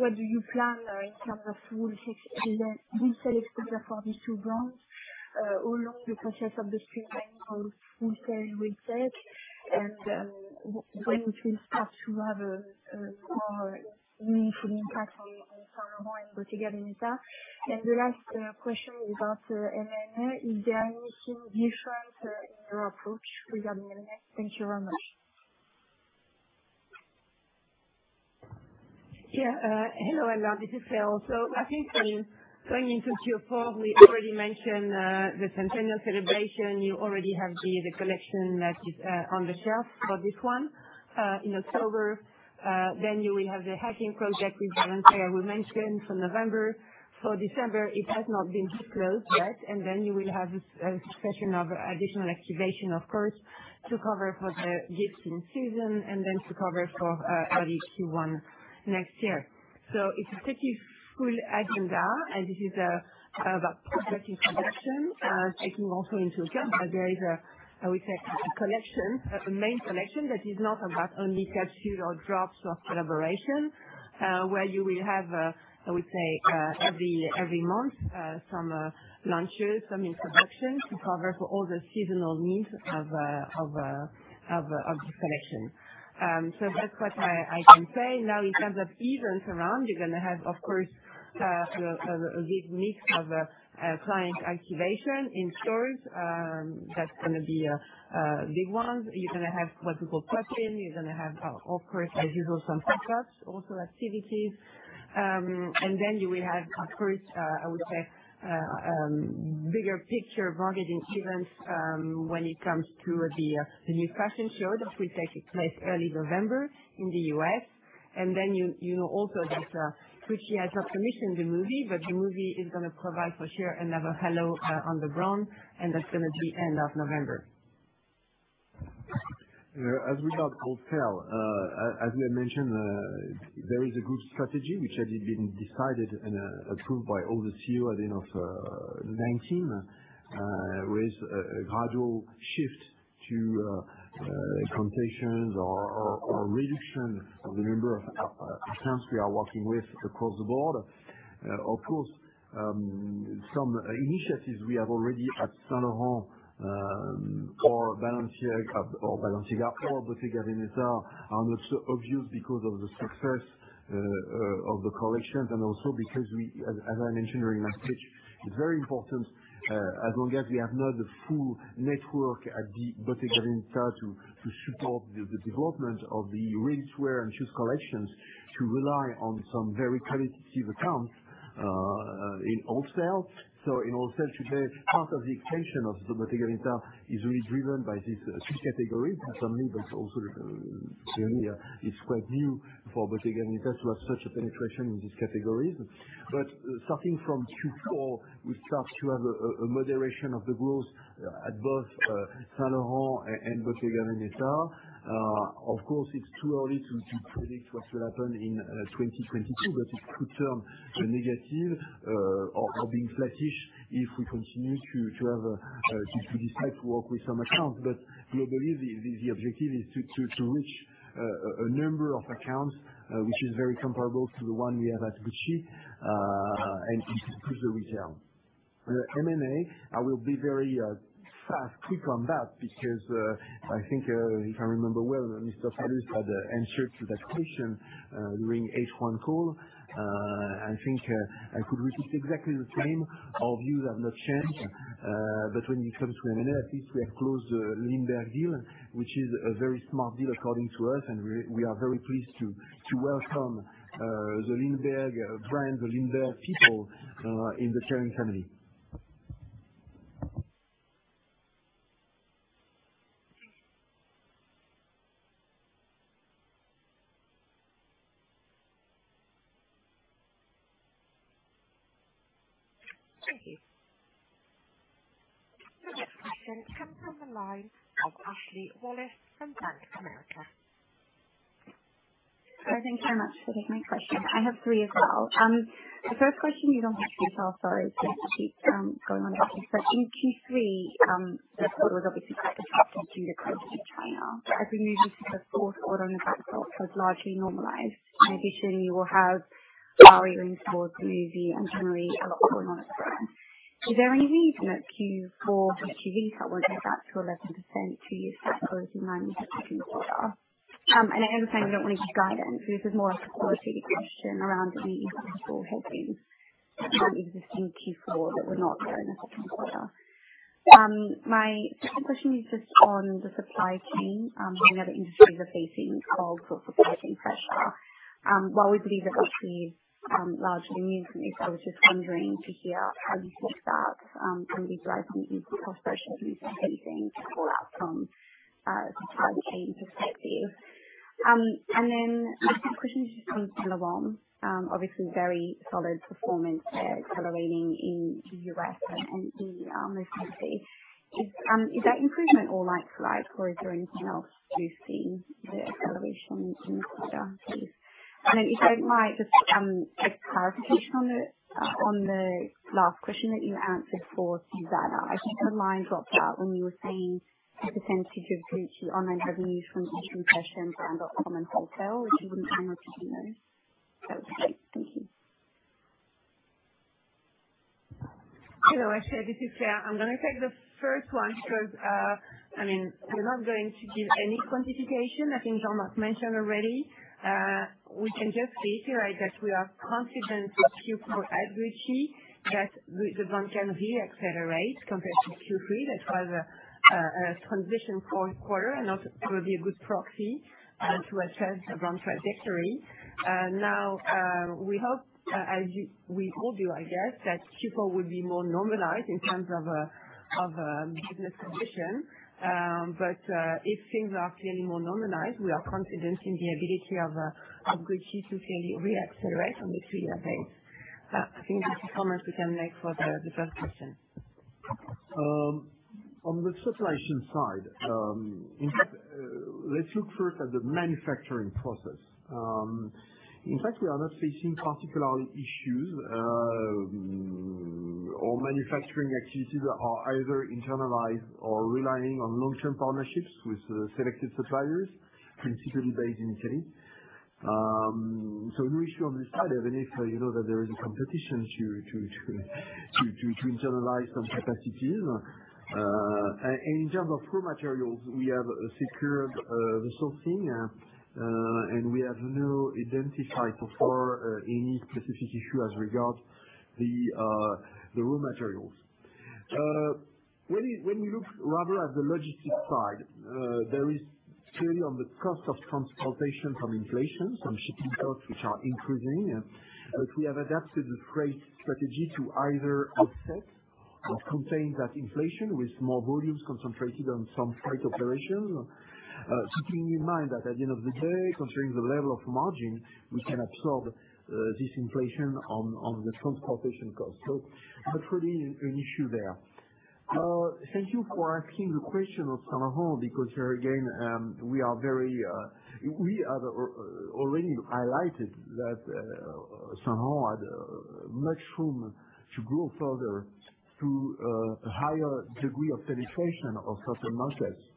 What do you plan in terms of wholesale exposure for these two brands along the process of the streamlining of wholesale with tech, and when it will start to have a more meaningful impact on Saint Laurent and Bottega Veneta. The last question is about M&A. Thank you very much. Yeah. Hello, everyone. This is Claire. I think when you talk to your firm, we already mentioned the centennial celebration. You already have the collection that is on the shelf for this one in October. You will have the hacking project with Balenciaga we mentioned for November. For December, it has not been disclosed yet. You will have a succession of additional activation, of course, to cover for the gifting season and to cover for early Q1 next year. It's a pretty full agenda, and this is about protecting production, taking also into account that there is, I would say, a collection, a main collection that is not about only capsule or drops or collaboration, where you will have, I would say, every month, some launches, some introductions to cover for all the seasonal needs of the collection. That's what I can say. In terms of events around, you're going to have, of course, a big mix of client activation in stores. That's going to be big ones. You're going to have what we call pop-in. You're going to have, of course, as usual, some pop-ups, also activities. You will have, of course, I would say, bigger picture branding events when it comes to the new fashion show that will take place early November in the U.S. You know also that Gucci has not commissioned the movie, but the movie is going to provide for sure another halo on the ground, and that's going to be end of November. As with wholesale, as we had mentioned, there is a group strategy which has been decided and approved by all the CEOs at the end of 2019, with a gradual shift to e-concessions or a reduction of the number of accounts we are working with across the board. Some initiatives we have already at Saint Laurent or Balenciaga or Bottega Veneta are not so obvious because of the success of the collections and also because, as I mentioned during my speech, it's very important, as long as we have not the full network at the Bottega Veneta to support the development of the ready-to-wear and shoes collections, to rely on some very qualitative accounts in wholesale. In wholesale today, part of the expansion of the Bottega Veneta is really driven by these two categories. Personally, that's also clearly a square view for Bottega Veneta to have such a penetration in these categories. Starting from Q4, we start to have a moderation of the growth at both Saint Laurent and Bottega Veneta. Of course, it's too early to predict what will happen in 2022, but it could turn negative or being flattish if we continue to decide to work with some accounts. Globally, the objective is to reach a number of accounts which is very comparable to the one we have at Gucci, and to push the retail. The M&A, I will be very fast, quick on that, because I think if I remember well, Mr. Pinault had answered to that question during H1 call. I think I could repeat exactly the same. Our views have not changed. When it comes to M&A, at least we have closed the Lindberg deal, which is a very smart deal according to us, and we are very pleased to welcome the Lindberg brand, the Lindberg people in the Kering family. Thank you. The next question comes from the line of Ashley Wallace from Bank of America. Thank you so much. Here is my question. I have three as well. The first question is on Gucci retail. Sorry, just to keep going on Gucci. In Q3, the quarter was obviously quite affected due to COVID in China. As we move into the fourth quarter and the back half has largely normalized, and additionally, you will have Aria in stores, the movie, and generally a lot going on at brand. Is there any reason that Q4 Gucci retail won't get back to 11%, to your set policy line in the second quarter? I understand you don't want to give guidance, this is more a qualitative question around any additional headings that aren't existing in Q4 that were not there in the second quarter. My 2nd question is just on the supply chain. We know the industry is facing all sorts of pricing pressure. While we believe that Gucci is largely immune from this, I was just wondering to hear how you think that will be driving into cost pressures. Have you seen anything to call out from a supply chain perspective? My third question is just on Saint Laurent. Obviously very solid performance there, accelerating in the U.S. and the Asia-Pac. Is that improvement all like-for-like, or is there anything else you're seeing the acceleration in this quarter? Please. If I might, just a clarification on the last question that you answered for Zuzanna. I think the line dropped out when you were saying the percentage of Gucci online revenue from e-commerce and brand.com and wholesale. If you wouldn't mind repeating those, that would be great. Thank you. Hello, Ashley. This is Claire. I am going to take the first one because we are not going to give any quantification. I think Jean-Marc mentioned already. We can just reiterate that we are confident with Q4 at Gucci that with the brand can re-accelerate compared to Q3. That was a transition for a quarter and not going to be a good proxy to assess the wrong trajectory. Now, we hope, as we all do, I guess, that Q4 will be more normalized in terms of business conditions. If things are clearly more normalized, we are confident in the ability of Gucci to clearly re-accelerate on a three-year base. I think that is the comments we can make for the first question. On the supply chain side, in fact, let's look first at the manufacturing process. In fact, we are not facing particular issues. Our manufacturing activities are either internalized or relying on long-term partnerships with selected suppliers principally based in Italy. No issue on this side, even if you know that there is a competition to internalize some capacities. In terms of raw materials, we have secured the sourcing, and we have not identified so far any specific issue as regards the raw materials. When we look rather at the logistics side, there is clearly on the cost of transportation from inflation, some shipping costs which are increasing. We have adapted the freight strategy to either offset or contain that inflation with more volumes concentrated on some freight operations. Keeping in mind that at the end of the day, considering the level of margin, we can absorb this inflation on the transportation cost. Not really an issue there. Thank you for asking the question of Saint Laurent, because here again, we have already highlighted that Saint Laurent had much room to grow further through a higher degree of penetration of certain markets.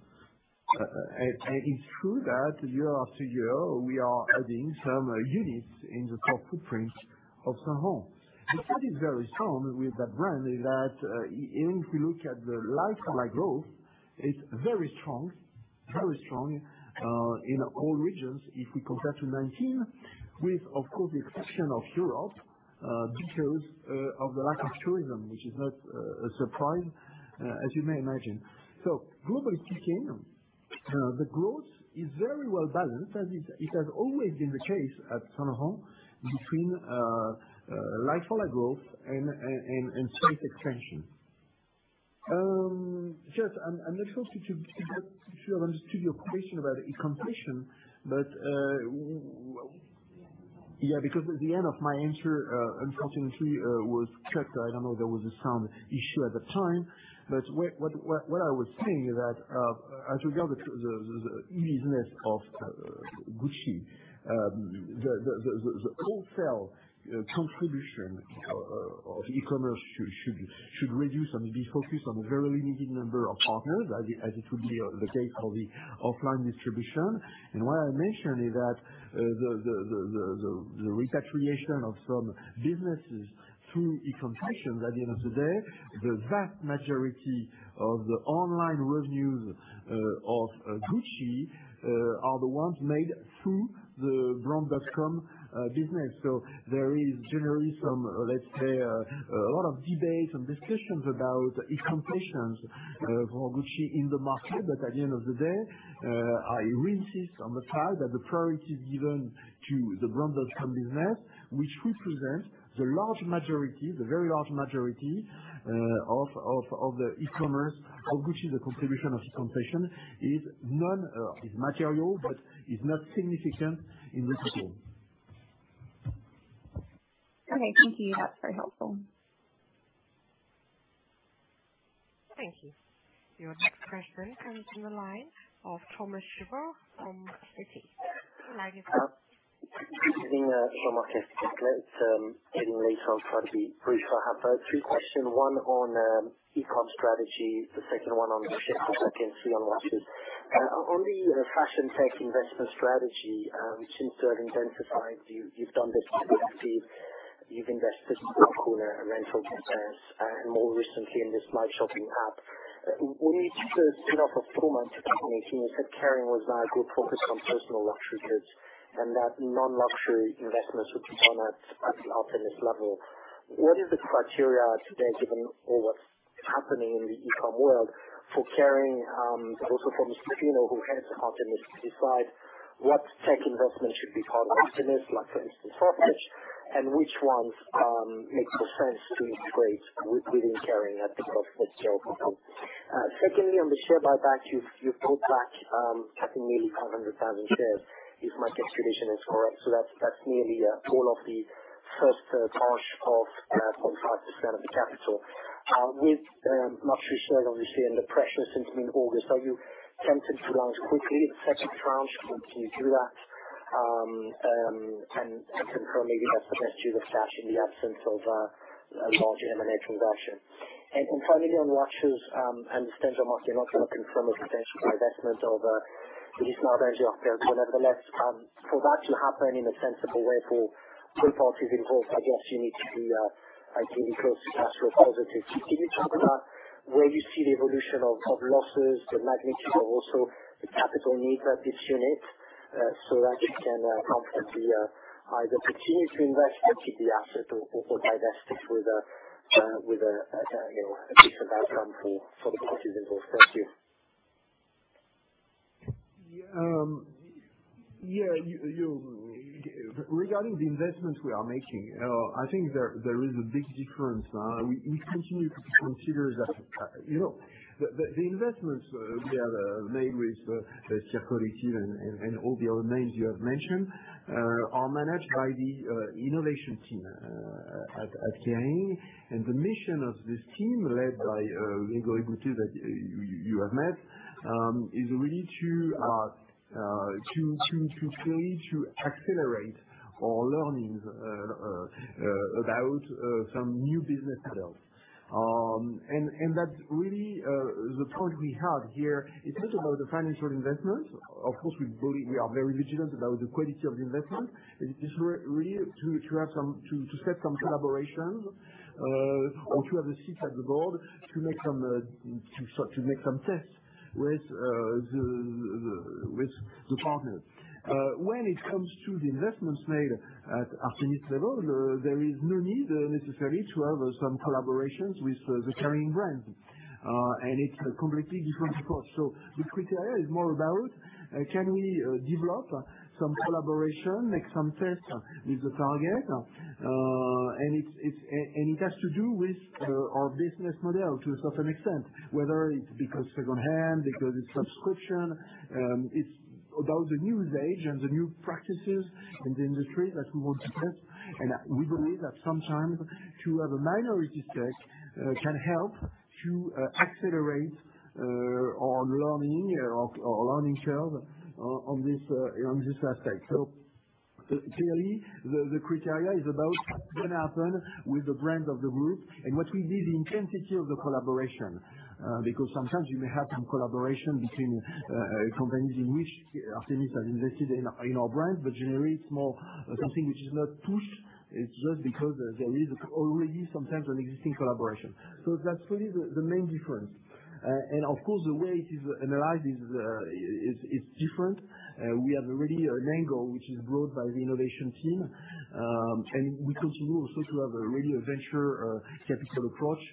It's true that year after year, we are adding some units in the core footprint of Saint Laurent. The study is very strong with that brand, in that if we look at the like-for-like growth, it's very strong in all regions if we compare to 2019 with, of course, the exception of Europe, because of the lack of tourism, which is not a surprise, as you may imagine. Globally speaking, the growth is very well balanced, as it has always been the case at Saint Laurent between like-for-like growth and space expansion. Just, I'm not sure if I understood your question about e-concession, but yeah, because at the end of my answer, unfortunately, was cut. I don't know if there was a sound issue at the time, but what I was saying is that, as regards the e-business of Gucci, the wholesale contribution of e-commerce should reduce and be focused on a very limited number of partners, as it would be the case for the offline distribution. What I mentioned is that the repatriation of some businesses through e-concession, at the end of the day, the vast majority of the online revenues of Gucci are the ones made through the brand.com business. There is generally some, let's say, a lot of debates and discussions about e-concessions for Gucci in the market. At the end of the day, I re-insist on the fact that the priority is given to the brand.com business, which represents the very large majority of the e-commerce of Gucci. The contribution of e-concession is material but is not significant in retail. Okay. Thank you. That's very helpful. Thank you. Your next question comes from the line of Thomas Chauvet from Citi. The line is open. Good evening. Jean-Marc, it's getting late, so I'll try to be brief. I have three questions. One on e-com strategy, the second one on the share buyback, and three on watches. On the fashion tech investment strategy, which you've sort of intensified, you've done this with Vestiaire, you've invested in Cocoon, a rental business, and more recently in this live shopping app. In each of four months of 2018, you said Kering was now group focused on personal luxury goods and that non-luxury investments would be done at an Artémis level. What is the criteria today given or what's happening in the e-com world for Kering, and also from Pinault who heads the Artémis, to decide what tech investment should be called out in this, like for instance, Farfetch, and which ones makes the sense to integrate within Kering at the cost of sales? Secondly, on the share buyback, you've bought back nearly 500,000 shares, if my calculation is correct. That's nearly all of the first tranche of 0.5% of the capital. With luxury shares obviously in the pressure since mid-August, are you tempted to launch quickly the second tranche? Will you do that? Concurrently, that's the best use of cash in the absence of a large M&A transaction. Finally, on watches, I understand you're not looking for a potential divestment of the Ulysse Nardin and Girard-Perregaux. Nevertheless, for that to happen in a sensible way for all parties involved, I guess you need to be ideally close to cash flow positive. Can you talk about where you see the evolution of losses, the magnitude, but also the capital needs of this unit, so that you can competently either continue to invest, or keep the asset, or divest it with a decent outcome for the parties involved? Thank you. Yeah. Regarding the investments we are making, I think there is a big difference. We continue to consider that the investments we have made with Vestiaire Collective and all the other names you have mentioned are managed by the innovation team at Kering. The mission of this team, led by Grégory Boutté, that you have met, is really to accelerate our learnings about some new business models. That really is the point we have here. It's not about the financial investment. Of course, we are very vigilant about the quality of the investment. It is really to set some collaborations, or to have a seat at the board to make some tests with the partners. When it comes to the investments made at Artémis level, there is no need necessarily to have some collaborations with the Kering brand. It's a completely different approach. The criteria is more about, can we develop some collaboration, make some tests with the target? It has to do with our business model to a certain extent, whether it's because secondhand, because it's subscription, it's about the new age and the new practices in the industry that we want to test. We believe that sometimes to have a minority stake can help to accelerate our learning curve on this aspect. Clearly the criteria is about what's going to happen with the brand of the group and what we did, the intensity of the collaboration. Because sometimes you may have some collaboration between companies in which Artémis has invested in our brand, but generally it's more something which is not touched. It's just because there is already sometimes an existing collaboration. That's really the main difference. Of course, the way it is analyzed is different. We have already an angle which is brought by the innovation team. We continue also to have a really venture capital approach.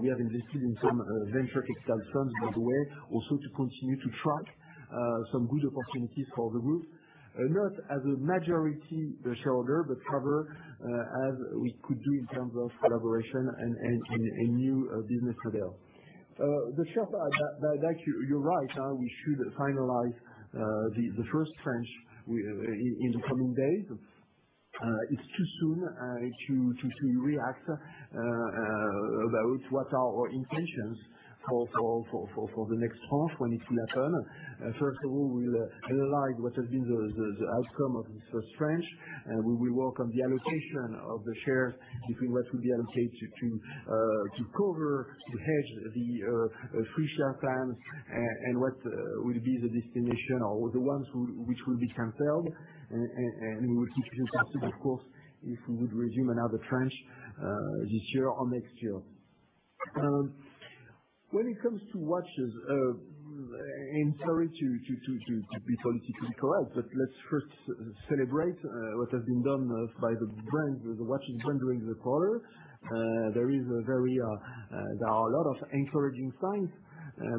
We have invested in some venture capital funds, by the way, also to continue to track some good opportunities for the group, not as a majority shareholder, but rather, as we could do in terms of collaboration and a new business model. The share buyback, you're right. We should finalize the first tranche in the coming days. It's too soon to react about what are our intentions for the next tranche when it will happen. First of all, we'll analyze what has been the outcome of this first tranche. We will work on the allocation of the shares between what will be allocated to cover, to hedge the free share plans, and what will be the destination, or the ones which will be canceled. We will keep you posted, of course, if we would resume another tranche this year or next year. When it comes to watches, and sorry to be politically correct, but let's first celebrate what has been done by the brand, the watches brand during the quarter. There are a lot of encouraging signs,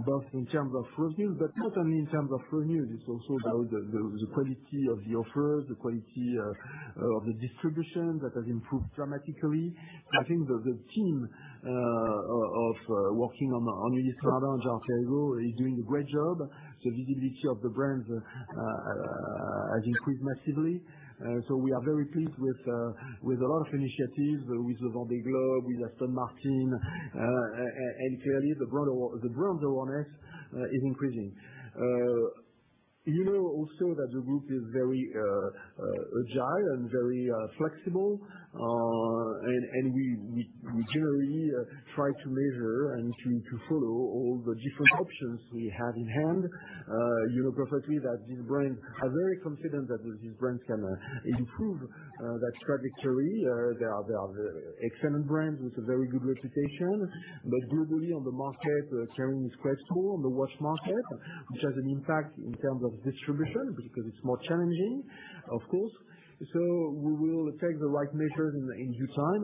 both in terms of reviews, but not only in terms of reviews, it's also about the quality of the offers, the quality of the distribution that has improved dramatically. I think the team of working on Ulysse Nardin and Girard-Perregaux is doing a great job. The visibility of the brands has increased massively. We are very pleased with a lot of initiatives with Vendée Globe, with Aston Martin, and clearly the brand awareness is increasing. You know also that the group is very agile and very flexible. We generally try to measure and to follow all the different options we have in hand. You know perfectly that this brand, are very confident that this brand can improve that trajectory. They are the excellent brands with a very good reputation, but globally on the market, Kering is quite small on the watch market, which has an impact in terms of distribution, because it's more challenging, of course. We will take the right measures in due time.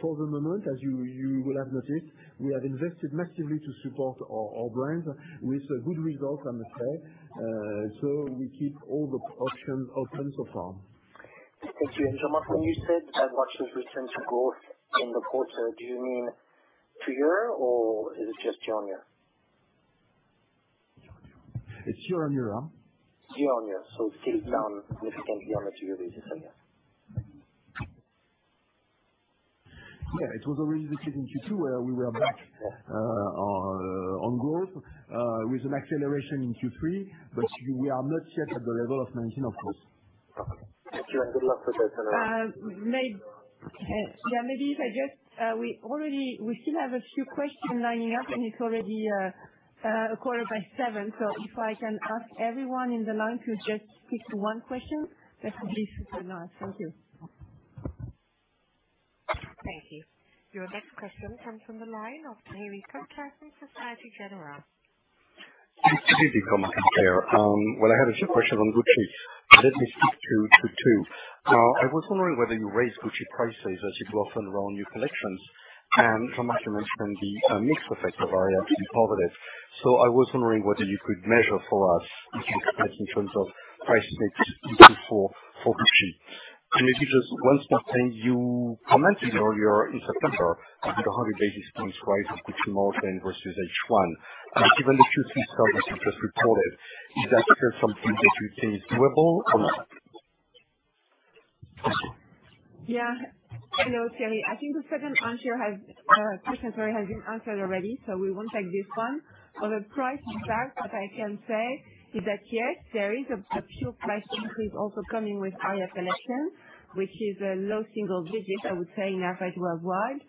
For the moment, as you will have noticed, we have invested massively to support our brands with good results, I must say. We keep all the options open so far. Thank you. Jean-Marc, when you said that watches return to growth in the quarter, do you mean year or is it just year on year? It's year-over-year. Year-on-year. Still down significantly on a two-year basis then, yeah. Yeah, it was already the case in Q2 where we were back on growth, with an acceleration in Q3. We are not yet at the level of 2019, of course. Okay. Thank you, and good luck with that. Yeah, maybe. We still have a few questions lining up. It's already 7:15 P.M. If I can ask everyone in the line to just stick to one question, that would be super nice. Thank you. Thank you. Your next question comes from the line of Thierry Cota from Societe Generale. This is Thierry from SG. What I had is a question on Gucci. Let me speak to two. I was wondering whether you raised Gucci prices as you go off on your own new collections, and Jean-Marc, you mentioned the mixed effect of Aria in all of it. I was wondering whether you could measure for us the difference in terms of price mix into four for Gucci. If you just once more, can you comment, you know, you're in September with 100 basis points rise of Gucci margin versus H1. Given the Q3 sales that you just reported, is that still something that you think is doable or not? Yeah. Hello, Thierry. I think the second question has been answered already. We won't take this one. On the price mix, what I can say is that, yes, there is a pure price increase also coming with Aria collection, which is a low single digit, I would say, in average worldwide.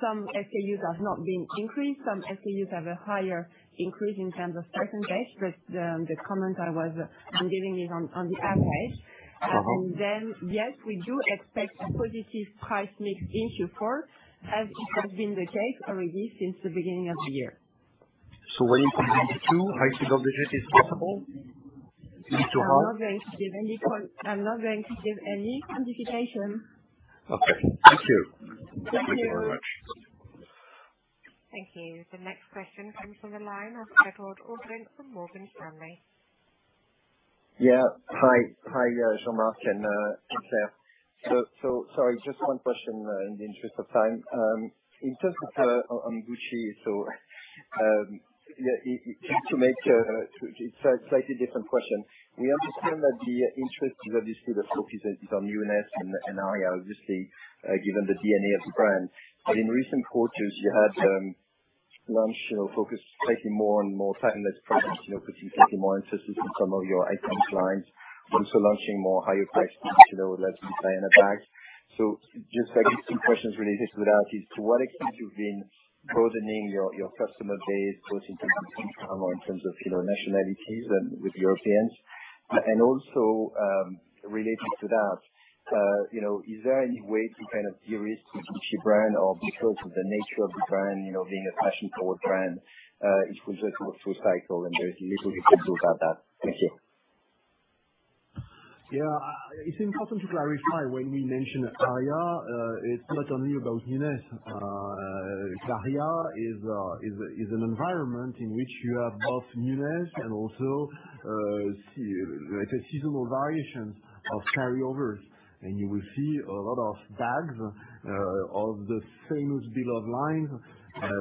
Some SKUs have not been increased. Some SKUs have a higher increase in terms of %, the comment I'm giving is on the average. Yes, we do expect a positive price mix into Q4, as it has been the case already since the beginning of the year. When you present two, high single-digit is possible? Is it too hard? I'm not going to give any quantification. Okay. Thank you. Thank you. Thank you very much. Thank you. The next question comes from the line of Edouard Aubin from Morgan Stanley. Yeah. Hi, Jean-Marc and Claire. Sorry, just one question in the interest of time. In terms of on Gucci, to make a slightly different question. We understand that the interest of this new focus is on newness and Aria, obviously, given the DNA of the brand. But in recent quarters, you had launched or focused slightly more on more timeless products, particularly taking more emphasis on some of your icon clients, also launching more higher priced Diana bags. Just two questions related to that, is to what extent you've been broadening your customer base, both in terms of income or in terms of nationalities and with Europeans? Also, related to that, is there any way to kind of de-risk the Gucci brand or because of the nature of the brand, being a fashion-forward brand, it will go through a full cycle, and there's little you could do about that? Thank you. It's important to clarify when we mention Aria, it's not only about newness. Aria is an environment in which you have both newness and also, seasonal variations of carryovers. You will see a lot of bags of the famous beloved lines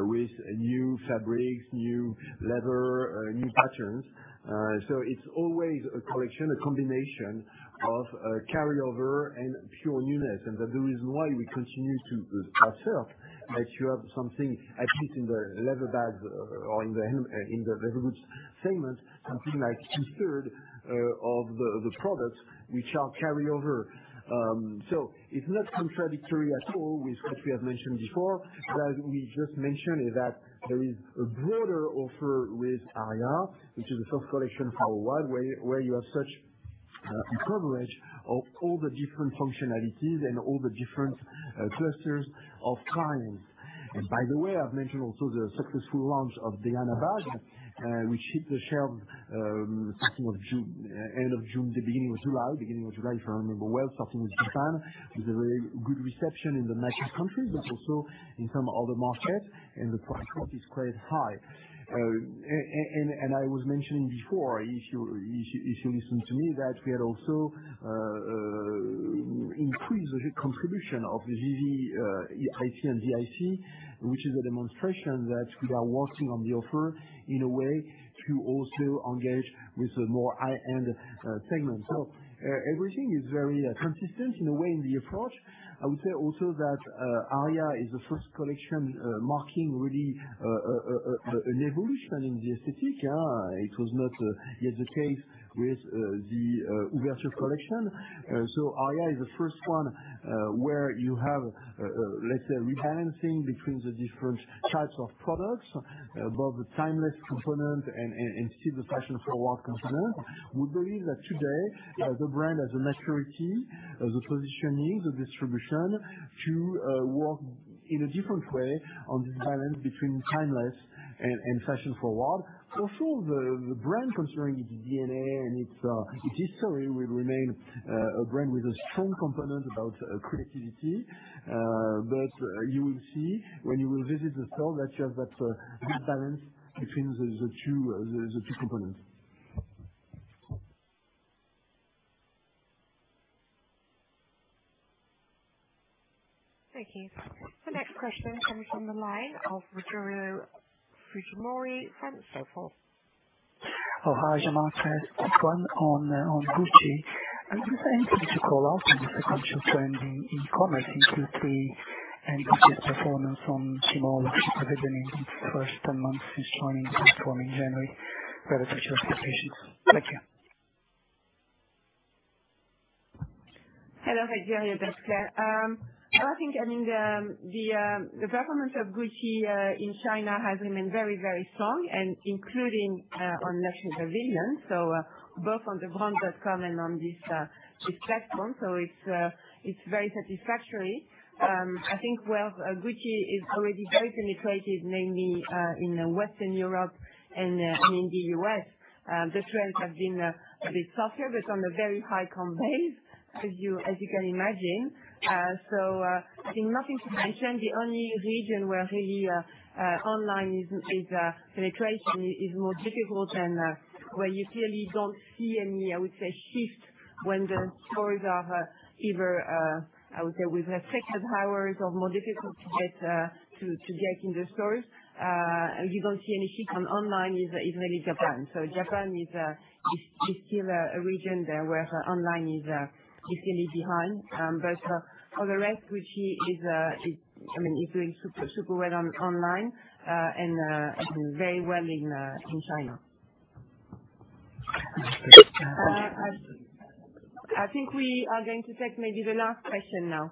with new fabrics, new leather, new patterns. It's always a collection, a combination of carryover and pure newness. The reason why we continue to observe that you have something, at least in the leather bags or in the leather goods segment, something like 2/3 of the products which are carryover. It's not contradictory at all with what we have mentioned before. What we just mentioned is that there is a broader offer with Aria, which is the first collection for a while, where you have such a coverage of all the different functionalities and all the different clusters of clients. By the way, I've mentioned also the successful launch of Diana bag, which hit the shelves end of June, the beginning of July, if I remember well, starting with Japan, with a very good reception in the major countries, but also in some other markets, and the price point is quite high. I was mentioning before, if you listen to me, that we had also increased the contribution of the GG IT and GIC, which is a demonstration that we are working on the offer in a way to also engage with the more high-end segment. Everything is very consistent in the way in the approach. I would say also that Aria is the first collection marking really an evolution in the aesthetic. It was not yet the case with the Ouverture collection. Aria is the first one, where you have, let's say, rebalancing between the different types of products, both the timeless component and still the fashion-forward component. We believe that today, the brand has the maturity, the positioning, the distribution to work in a different way on this balance between timeless and fashion-forward. Also, the brand, considering its DNA and its history, will remain a brand with a strong component about creativity. You will see when you will visit the store that you have that balance between the two components. Thank you. The next question comes from the line of Rogerio Fujimori from Stifel. Hi, Jean-Marc. One on Gucci. I was interested to call out on the sequential trend in e-commerce in Q3 and Gucci's performance on Tmall, which I believe is the first 10 months since joining, it was coming January. Satisfactory expectations. Thank you. Hello, Rogetrio, this is Claire. I think the performance of Gucci in China has remained very strong, including on digital dividends. Both on the brand.com and on this platform. It's very satisfactory. I think Gucci is already very penetrated, mainly in Western Europe and in the U.S. The trends have been a bit softer, on a very high base, as you can imagine. I think nothing to mention, the only region where really online penetration is more difficult and where you clearly don't see any, I would say, shift when the stores are either, I would say with restricted hours or more difficult to get in the stores. You don't see any shift from online is really Japan. Japan is still a region there where online is definitely behind. For the rest, Gucci is doing super well online and very well in China. I think we are going to take maybe the last question now.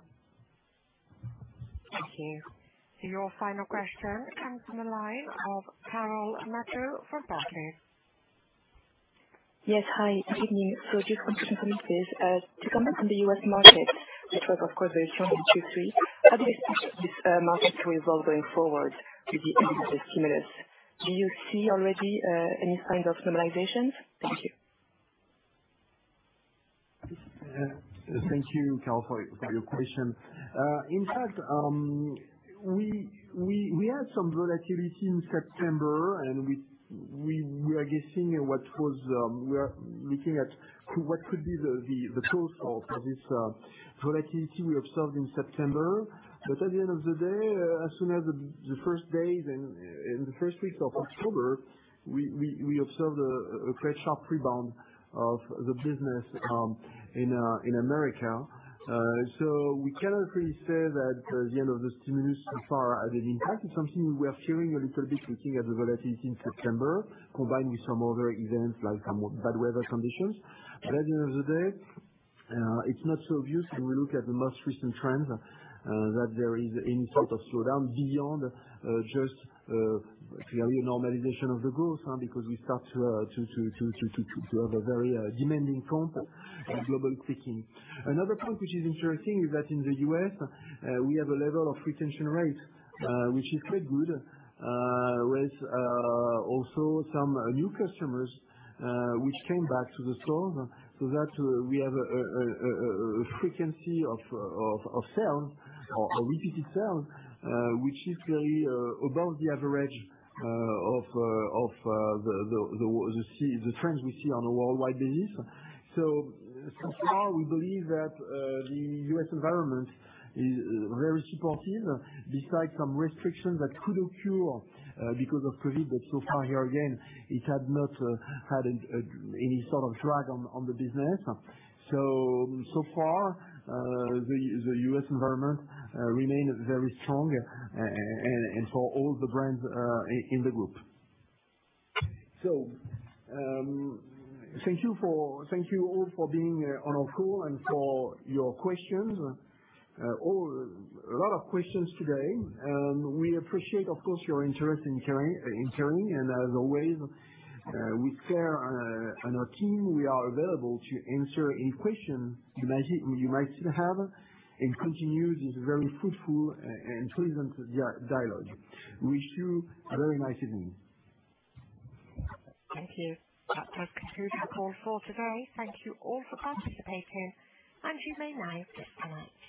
Thank you. Your final question comes from the line of Carole Madjo for Barclays. Yes. Hi, good evening. Just wanting to comment on this. To comment on the U.S. market, which was, of course, very strong in Q3. How do you expect this market to evolve going forward with the end of the stimulus? Do you see already any kind of normalizations? Thank you. Thank you, Carole for your question. We had some volatility in September. We are looking at what could be the cause of this volatility we observed in September. At the end of the day, as soon as the first days and the first weeks of October, we observed a great sharp rebound of the business in America. We cannot really say that the end of the stimulus so far has an impact. It's something we are fearing a little bit, looking at the volatility in September, combined with some other events, like some bad weather conditions. At the end of the day, it's not so obvious when we look at the most recent trends, that there is any sort of slowdown beyond just a clear normalization of the growth, we start to have a very demanding comp and global tweaking. Another point which is interesting is that in the U.S., we have a level of retention rate, which is quite good, with also some new customers, which came back to the store, so that we have a frequency of repeated sales, which is clearly above the average of the trends we see on a worldwide basis. For now, we believe that the U.S. environment is very supportive, besides some restrictions that could occur because of COVID. So far here again, it had not had any sort of drag on the business. So far, the U.S. environment remains very strong and for all the brands in the group. Thank you all for being on our call and for your questions. A lot of questions today, and we appreciate, of course, your interest in Kering. As always, we care, and our team, we are available to answer any questions you might still have and continue this very fruitful and pleasant dialogue. Wish you a very nice evening. Thank you. That concludes our call for today. Thank you all for participating, and you may now disconnect.